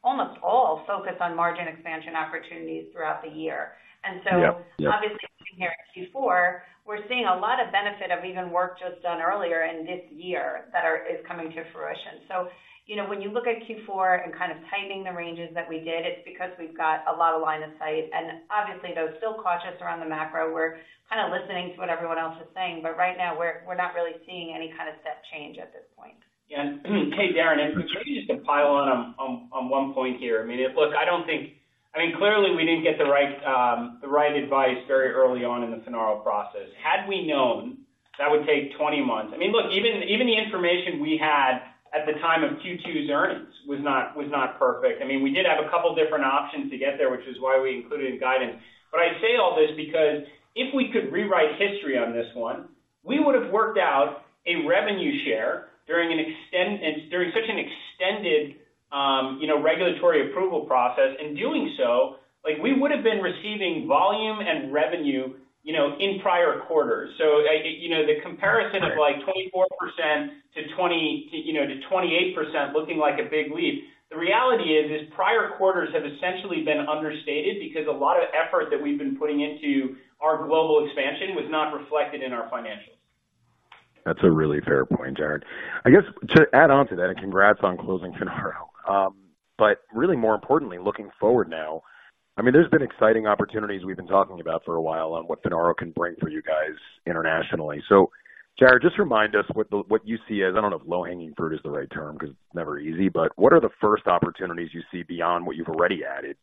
almost all focused on margin expansion opportunities throughout the year. Yeah. Yeah. So obviously, here at Q4, we're seeing a lot of benefit of even work just done earlier in this year that is coming to fruition. So, you know, when you look at Q4 and kind of tightening the ranges that we did, it's because we've got a lot of line of sight. And obviously, though, still cautious around the macro. We're kind of listening to what everyone else is saying, but right now, we're not really seeing any kind of step change at this point. Yeah. Hey, Darrin, and maybe just to pile on one point here. I mean, look, I don't think, I mean, clearly, we didn't get the right advice very early on in the Finaro process. Had we known that would take 20 months... I mean, look, even the information we had at the time of Q2's earnings was not perfect. I mean, we did have a couple different options to get there, which is why we included in guidance. But I say all this because if we could rewrite history on this one, we would have worked out a revenue share during such an extended regulatory approval process. In doing so, like, we would have been receiving volume and revenue, you know, in prior quarters. You know, the comparison of, like, 24% to 20, you know, to 28% looking like a big leap. The reality is, is prior quarters have essentially been understated because a lot of effort that we've been putting into our global expansion was not reflected in our financials. That's a really fair point, Jared. I guess, to add on to that, and congrats on closing Finaro. But really more importantly, looking forward now, I mean, there's been exciting opportunities we've been talking about for a while on what Finaro can bring for you guys internationally. So Jared, just remind us what the, what you see as, I don't know if low-hanging fruit is the right term because it's never easy, but what are the first opportunities you see beyond what you've already added,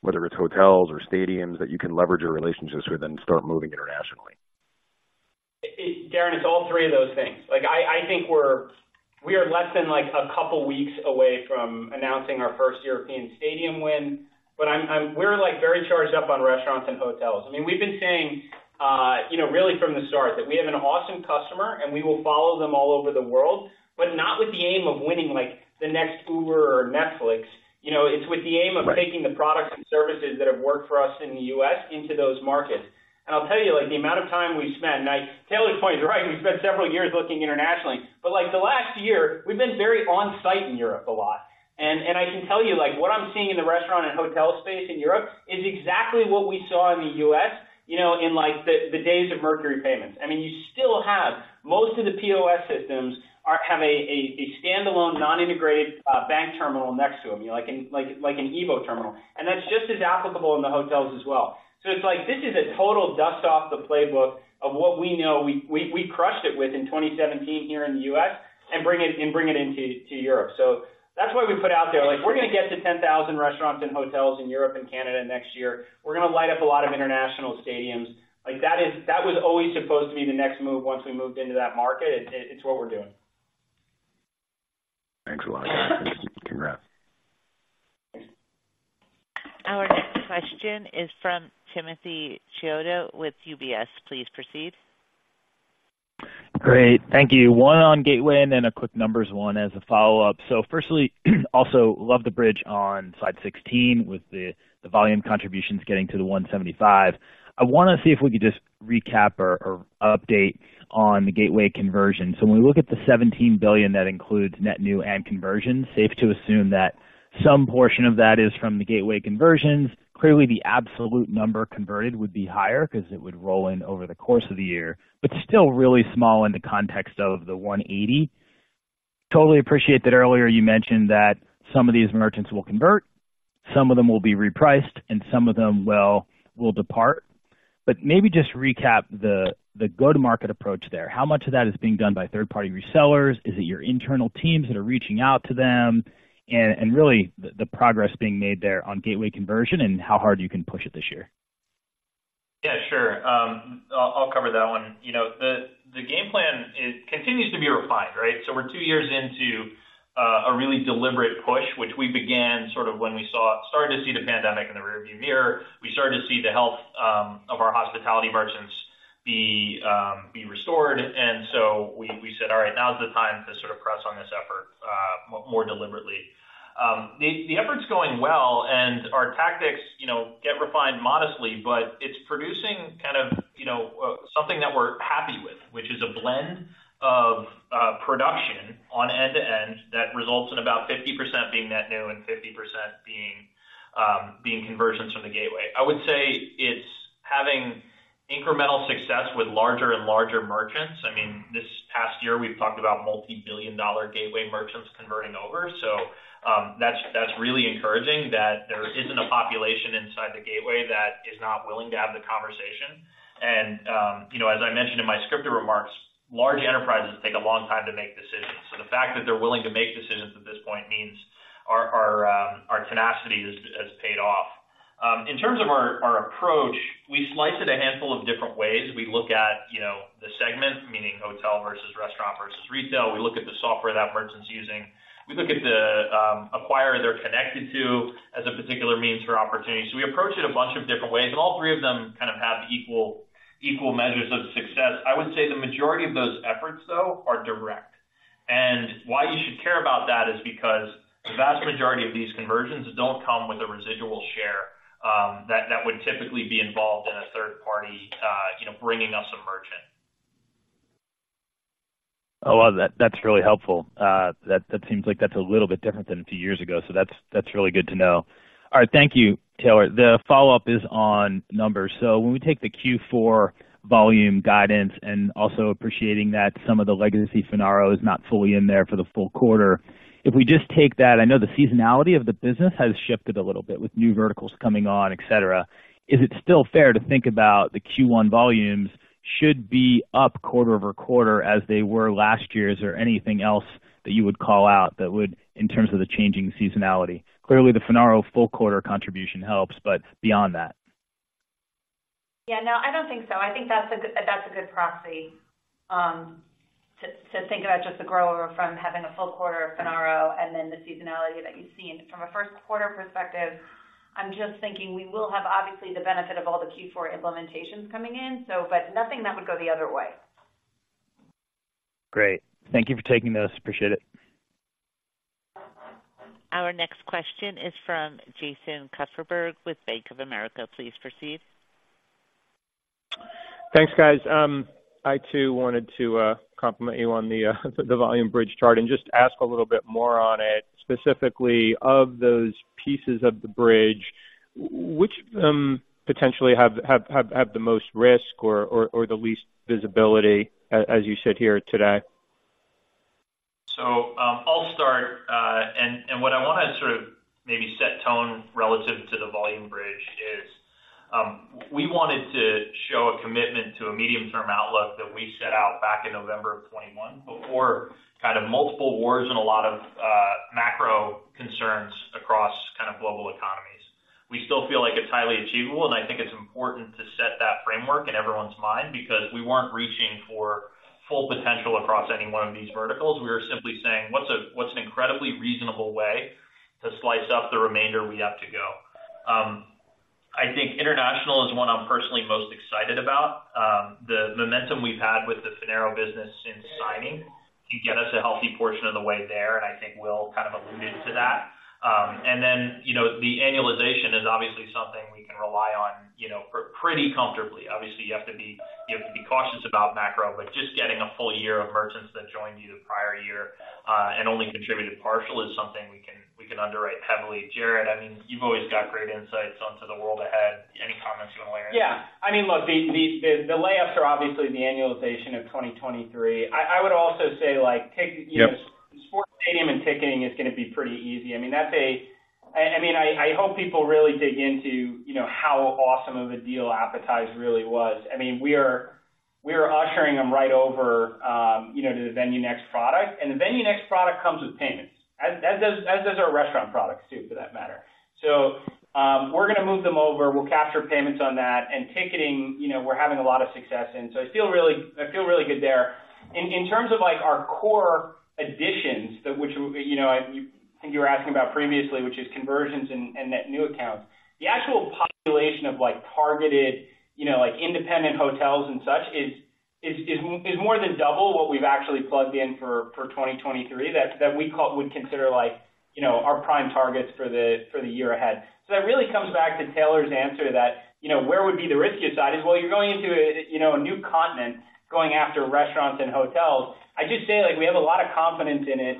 whether it's hotels or stadiums, that you can leverage your relationships with and start moving internationally? It's Jared, it's all three of those things. Like, I think we're—we are less than, like, a couple of weeks away from announcing our first European stadium win. But I'm— we're, like, very charged up on restaurants and hotels. I mean, we've been saying, you know, really from the start that we have an awesome customer, and we will follow them all over the world, but not with the aim of winning, like, the next Uber or Netflix. You know, it's with the aim of taking the products and services that have worked for us in the U.S. into those markets. And I'll tell you, like, the amount of time we've spent, and—Taylor's point is right. We've spent several years looking internationally, but like, the last year, we've been very on-site in Europe a lot. And I can tell you, like, what I'm seeing in the restaurant and hotel space in Europe is exactly what we saw in the U.S., you know, in, like, the days of Mercury Payments. I mean, you still have most of the POS systems are have a standalone, non-integrated bank terminal next to them, like an Evo terminal, and that's just as applicable in the hotels as well. So it's like, this is a total dust off the playbook of what we know we crushed it with in 2017 here in the U.S., and bring it into Europe. So that's why we put out there. Like, we're going to get to 10,000 restaurants and hotels in Europe and Canada next year. We're going to light up a lot of international stadiums. Like, that was always supposed to be the next move once we moved into that market. It, it's what we're doing. Thanks a lot. Congrats. Our next question is from Timothy Chiodo with UBS. Please proceed. Great. Thank you. One on Gateway and then a quick numbers one as a follow-up. So firstly, also love the bridge on slide 16 with the, the volume contributions getting to the 175. I want to see if we could just recap or, or update on the Gateway conversion. So when we look at the $17 billion, that includes net new and conversion, safe to assume that some portion of that is from the Gateway conversions. Clearly, the absolute number converted would be higher because it would roll in over the course of the year, but still really small in the context of the 180. Totally appreciate that earlier you mentioned that some of these merchants will convert, some of them will be repriced, and some of them will, will depart. But maybe just recap the, the go-to-market approach there. How much of that is being done by third-party resellers? Is it your internal teams that are reaching out to them? And really, the progress being made there on Gateway conversion and how hard you can push it this year? Yeah, sure. I'll cover that one. You know, the game plan continues to be refined, right? So we're two years into a really deliberate push, which we began sort of when we started to see the pandemic in the rearview mirror. We started to see the health of our hospitality merchants be restored, and so we said, "All right, now is the time to sort of press on this effort more deliberately." The effort's going well, and our tactics, you know, get refined modestly, but it's producing kind of, you know, something that we're happy with, which is a blend of production on end-to-end that results in about 50% being net new and 50% being conversions from the Gateway. I would say it's having incremental success with larger and larger merchants. I mean, this past year, we've talked about multi-billion-dollar Gateway merchants converting over. So, that's really encouraging that there isn't a population inside the Gateway that is not willing to have the conversation. And, you know, as I mentioned in my scripted remarks, large enterprises take a long time to make decisions. So the fact that they're willing to make decisions at this point means our tenacity has paid off. In terms of our approach, we slice it a handful of different ways. We look at, you know, the segment, meaning hotel versus restaurant versus retail. We look at the acquirer they're connected to as a particular means for opportunity. So we approach it a bunch of different ways, and all three of them kind of have equal, equal measures of success. I would say the majority of those efforts, though, are direct. And why you should care about that is because the vast majority of these conversions don't come with a residual share, that, that would typically be involved in a third party, you know, bringing us a merchant. I love that. That's really helpful. That seems like that's a little bit different than a few years ago, so that's really good to know. All right, thank you, Taylor. The follow-up is on numbers. So when we take the Q4 volume guidance and also appreciating that some of the legacy Finaro is not fully in there for the full quarter, if we just take that, I know the seasonality of the business has shifted a little bit with new verticals coming on, et cetera. Is it still fair to think about the Q1 volumes should be up quarter over quarter as they were last year? Is there anything else that you would call out that would, in terms of the changing seasonality? Clearly, the Finaro full quarter contribution helps, but beyond that. Yeah, no, I don't think so. I think that's a good, that's a good proxy, to think about just the grow over from having a full quarter of Finaro and then the seasonality that you've seen. From a first quarter perspective, I'm just thinking we will have, obviously, the benefit of all the Q4 implementations coming in, so but nothing that would go the other way.... Great. Thank you for taking this. Appreciate it. Our next question is from Jason Kupferberg with Bank of America. Please proceed. Thanks, guys. I, too, wanted to compliment you on the volume bridge chart and just ask a little bit more on it. Specifically, of those pieces of the bridge, which of them potentially have the most risk or the least visibility, as you sit here today? So, I'll start, and what I want to sort of maybe set tone relative to the volume bridge is, we wanted to show a commitment to a medium-term outlook that we set out back in November of 2021, before kind of multiple wars and a lot of, macro concerns across kind of global economies. We still feel like it's highly achievable, and I think it's important to set that framework in everyone's mind, because we weren't reaching for full potential across any one of these verticals. We were simply saying, what's an incredibly reasonable way to slice up the remainder we have to go? I think international is one I'm personally most excited about. The momentum we've had with the Finaro business since signing, to get us a healthy portion of the way there, and I think Will kind of alluded to that. And then, you know, the annualization is obviously something we can rely on, you know, pretty comfortably. Obviously, you have to be cautious about macro, but just getting a full year of merchants that joined you the prior year, and only contributed partial is something we can underwrite heavily. Jared, I mean, you've always got great insights onto the world ahead. Any comments you want to add? Yeah. I mean, look, the layups are obviously the annualization of 2023. I would also say, like, take, you know- Yep. Sports stadium and ticketing is going to be pretty easy. I mean, that's a. I mean, I hope people really dig into, you know, how awesome of a deal Appetize really was. I mean, we are ushering them right over, you know, to the VenueNext product. And the VenueNext product comes with payments, as does our restaurant products, too, for that matter. So, we're going to move them over. We'll capture payments on that and ticketing, you know, we're having a lot of success in. So I feel really good there. In terms of, like, our core additions, which, you know, I think you were asking about previously, which is conversions and net new accounts, the actual population of, like, targeted, you know, like, independent hotels and such is more than double what we've actually plugged in for 2023, that we would consider, like, you know, our prime targets for the year ahead. So that really comes back to Taylor's answer that, you know, where would be the riskiest side? Well, you're going into a, you know, a new continent, going after restaurants and hotels. I do say, like, we have a lot of confidence in it.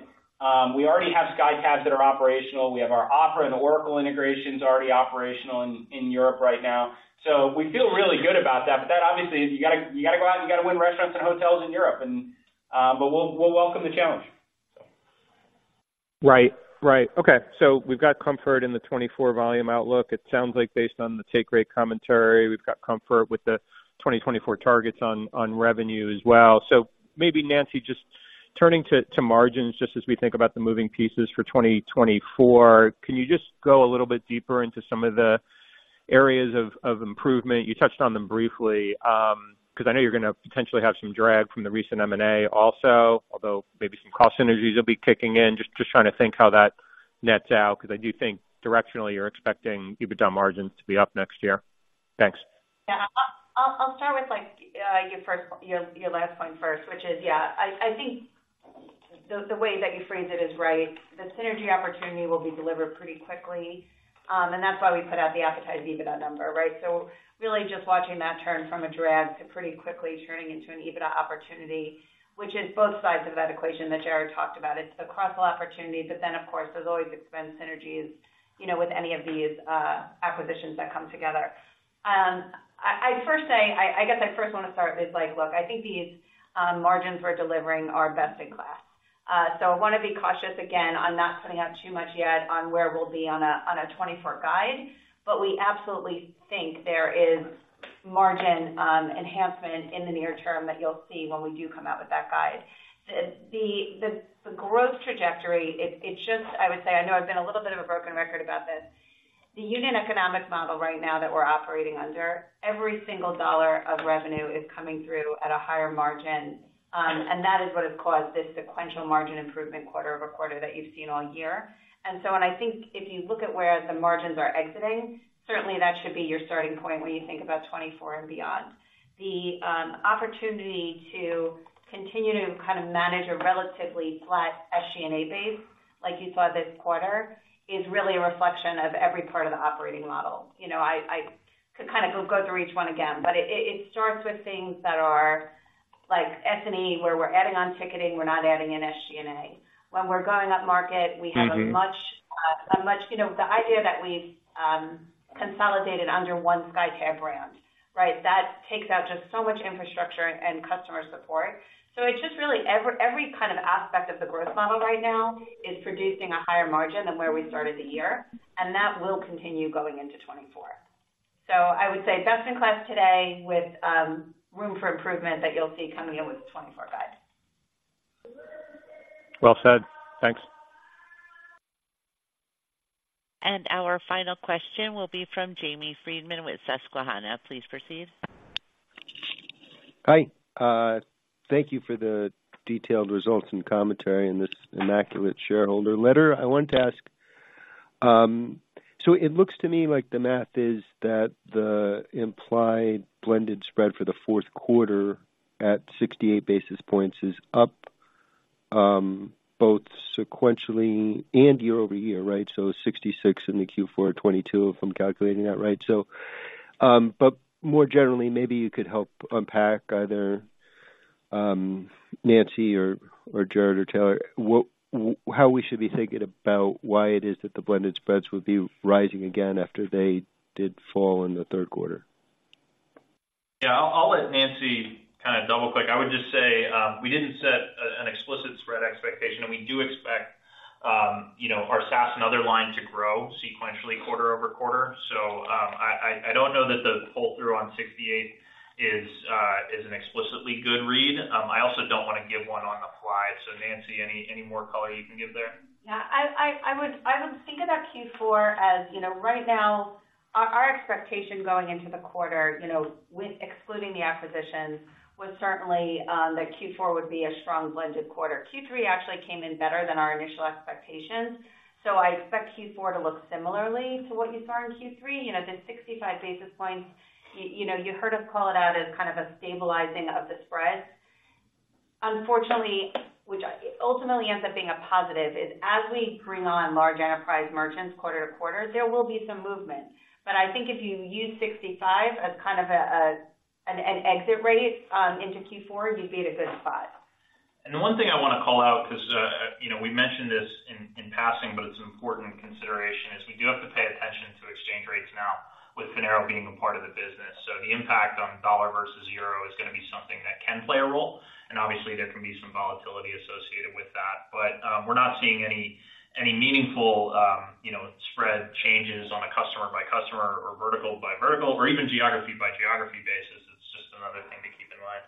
We already have SkyTab that are operational. We have our Opera and Oracle integrations already operational in Europe right now. So we feel really good about that. But that, obviously, you gotta go out and you gotta win restaurants and hotels in Europe and, but we'll welcome the challenge. Right. Right. Okay, so we've got comfort in the 2024 volume outlook. It sounds like based on the take rate commentary, we've got comfort with the 2024 targets on, on revenue as well. So maybe, Nancy, just turning to, to margins, just as we think about the moving pieces for 2024, can you just go a little bit deeper into some of the areas of, of improvement? You touched on them briefly, because I know you're going to potentially have some drag from the recent M&A also, although maybe some cost synergies will be kicking in. Just, just trying to think how that nets out, because I do think directionally, you're expecting EBITDA margins to be up next year. Thanks. Yeah. I'll start with, like, your last point first, which is, yeah, I think the way that you phrased it is right. The synergy opportunity will be delivered pretty quickly, and that's why we put out the Appetize EBITDA number, right? So really just watching that turn from a drag to pretty quickly turning into an EBITDA opportunity, which is both sides of that equation that Jared talked about. It's the cross-sell opportunity, but then, of course, there's always expense synergies, you know, with any of these acquisitions that come together. I'd first say, I guess I'd first want to start with, like, look, I think these margins we're delivering are best in class. So I want to be cautious again on not putting out too much yet on where we'll be on a 2024 guide, but we absolutely think there is margin enhancement in the near term that you'll see when we do come out with that guide. The growth trajectory, it just, I would say, I know I've been a little bit of a broken record about this. The unit economic model right now that we're operating under, every single dollar of revenue is coming through at a higher margin, and that is what has caused this sequential margin improvement quarter-over-quarter that you've seen all year. And so I think if you look at where the margins are exiting, certainly that should be your starting point when you think about 2024 and beyond. The opportunity to continue to kind of manage a relatively flat SG&A base, like you saw this quarter, is really a reflection of every part of the operating model. You know, I could kind of go through each one again, but it starts with things that are like S&E, where we're adding on ticketing, we're not adding in SG&A. When we're going upmarket- Mm-hmm. We have a much... You know, the idea that we've consolidated under one SkyTab brand, right? That takes out just so much infrastructure and customer support. So it's just really every kind of aspect of the growth model right now is producing a higher margin than where we started the year, and that will continue going into 2024. So I would say best in class today with room for improvement that you'll see coming in with the 2024 guide. Well said. Thanks. Our final question will be from Jamie Friedman with Susquehanna. Please proceed. Hi. Thank you for the detailed results and commentary in this immaculate shareholder letter. I wanted to ask-... So it looks to me like the math is that the implied blended spread for the fourth quarter at 68 basis points is up, both sequentially and year-over-year, right? So 66 in the Q4 2022, if I'm calculating that right. So, but more generally, maybe you could help unpack either Nancy or Jared or Taylor, how we should be thinking about why it is that the blended spreads would be rising again after they did fall in the third quarter? Yeah, I'll let Nancy kind of double-click. I would just say, we didn't set an explicit spread expectation, and we do expect, you know, our SaaS and other line to grow sequentially quarter-over-quarter. So, I don't know that the pull-through on 68 is an explicitly good read. I also don't wanna give one on the fly. So Nancy, any more color you can give there? Yeah, I would think about Q4 as, you know, right now, our expectation going into the quarter, you know, with excluding the acquisitions, was certainly that Q4 would be a strong blended quarter. Q3 actually came in better than our initial expectations, so I expect Q4 to look similarly to what you saw in Q3. You know, the 65 basis points, you know, you heard us call it out as kind of a stabilizing of the spread. Unfortunately, which ultimately ends up being a positive, is as we bring on large enterprise merchants quarter to quarter, there will be some movement. But I think if you use 65 as kind of an exit rate into Q4, you'd be in a good spot. And the one thing I wanna call out, 'cause, you know, we mentioned this in passing, but it's an important consideration, is we do have to pay attention to exchange rates now with Finaro being a part of the business. So the impact on dollar versus euro is gonna be something that can play a role, and obviously there can be some volatility associated with that. But, we're not seeing any meaningful, you know, spread changes on a customer by customer or vertical by vertical or even geography by geography basis. It's just another thing to keep in mind.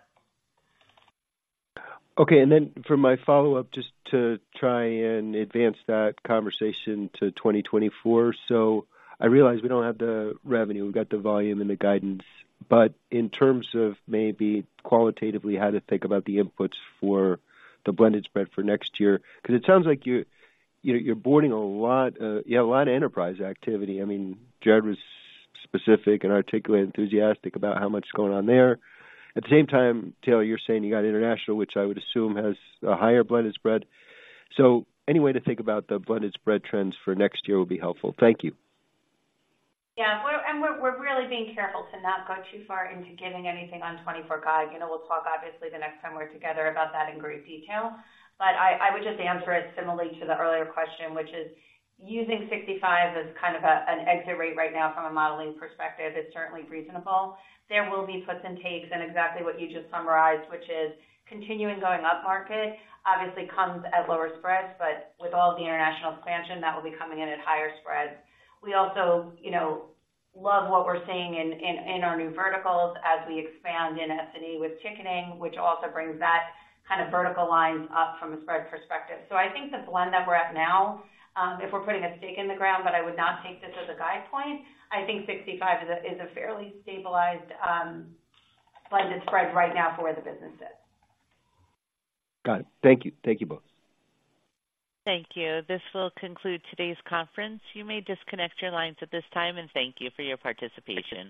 Okay, and then for my follow-up, just to try and advance that conversation to 2024. So I realize we don't have the revenue, we've got the volume and the guidance. But in terms of maybe qualitatively, how to think about the inputs for the blended spread for next year, 'cause it sounds like you're boarding a lot, you have a lot of enterprise activity. I mean, Jared was specific and articulate, enthusiastic about how much is going on there. At the same time, Taylor, you're saying you got international, which I would assume has a higher blended spread. So any way to think about the blended spread trends for next year would be helpful. Thank you. Yeah, we're really being careful to not go too far into giving anything on 2024 guide. You know, we'll talk obviously, the next time we're together about that in great detail, but I would just answer it similarly to the earlier question, which is: using 65 as kind of a, an exit rate right now from a modeling perspective is certainly reasonable. There will be puts and takes, and exactly what you just summarized, which is continuing going upmarket, obviously comes at lower spreads, but with all the international expansion, that will be coming in at higher spreads. We also, you know, love what we're seeing in our new verticals as we expand in S&E with ticketing, which also brings that kind of vertical lines up from a spread perspective. So I think the blend that we're at now, if we're putting a stake in the ground, but I would not take this as a guide point, I think 65 is a, is a fairly stabilized, blended spread right now for where the business is. Got it. Thank you. Thank you both. Thank you. This will conclude today's conference. You may disconnect your lines at this time, and thank you for your participation.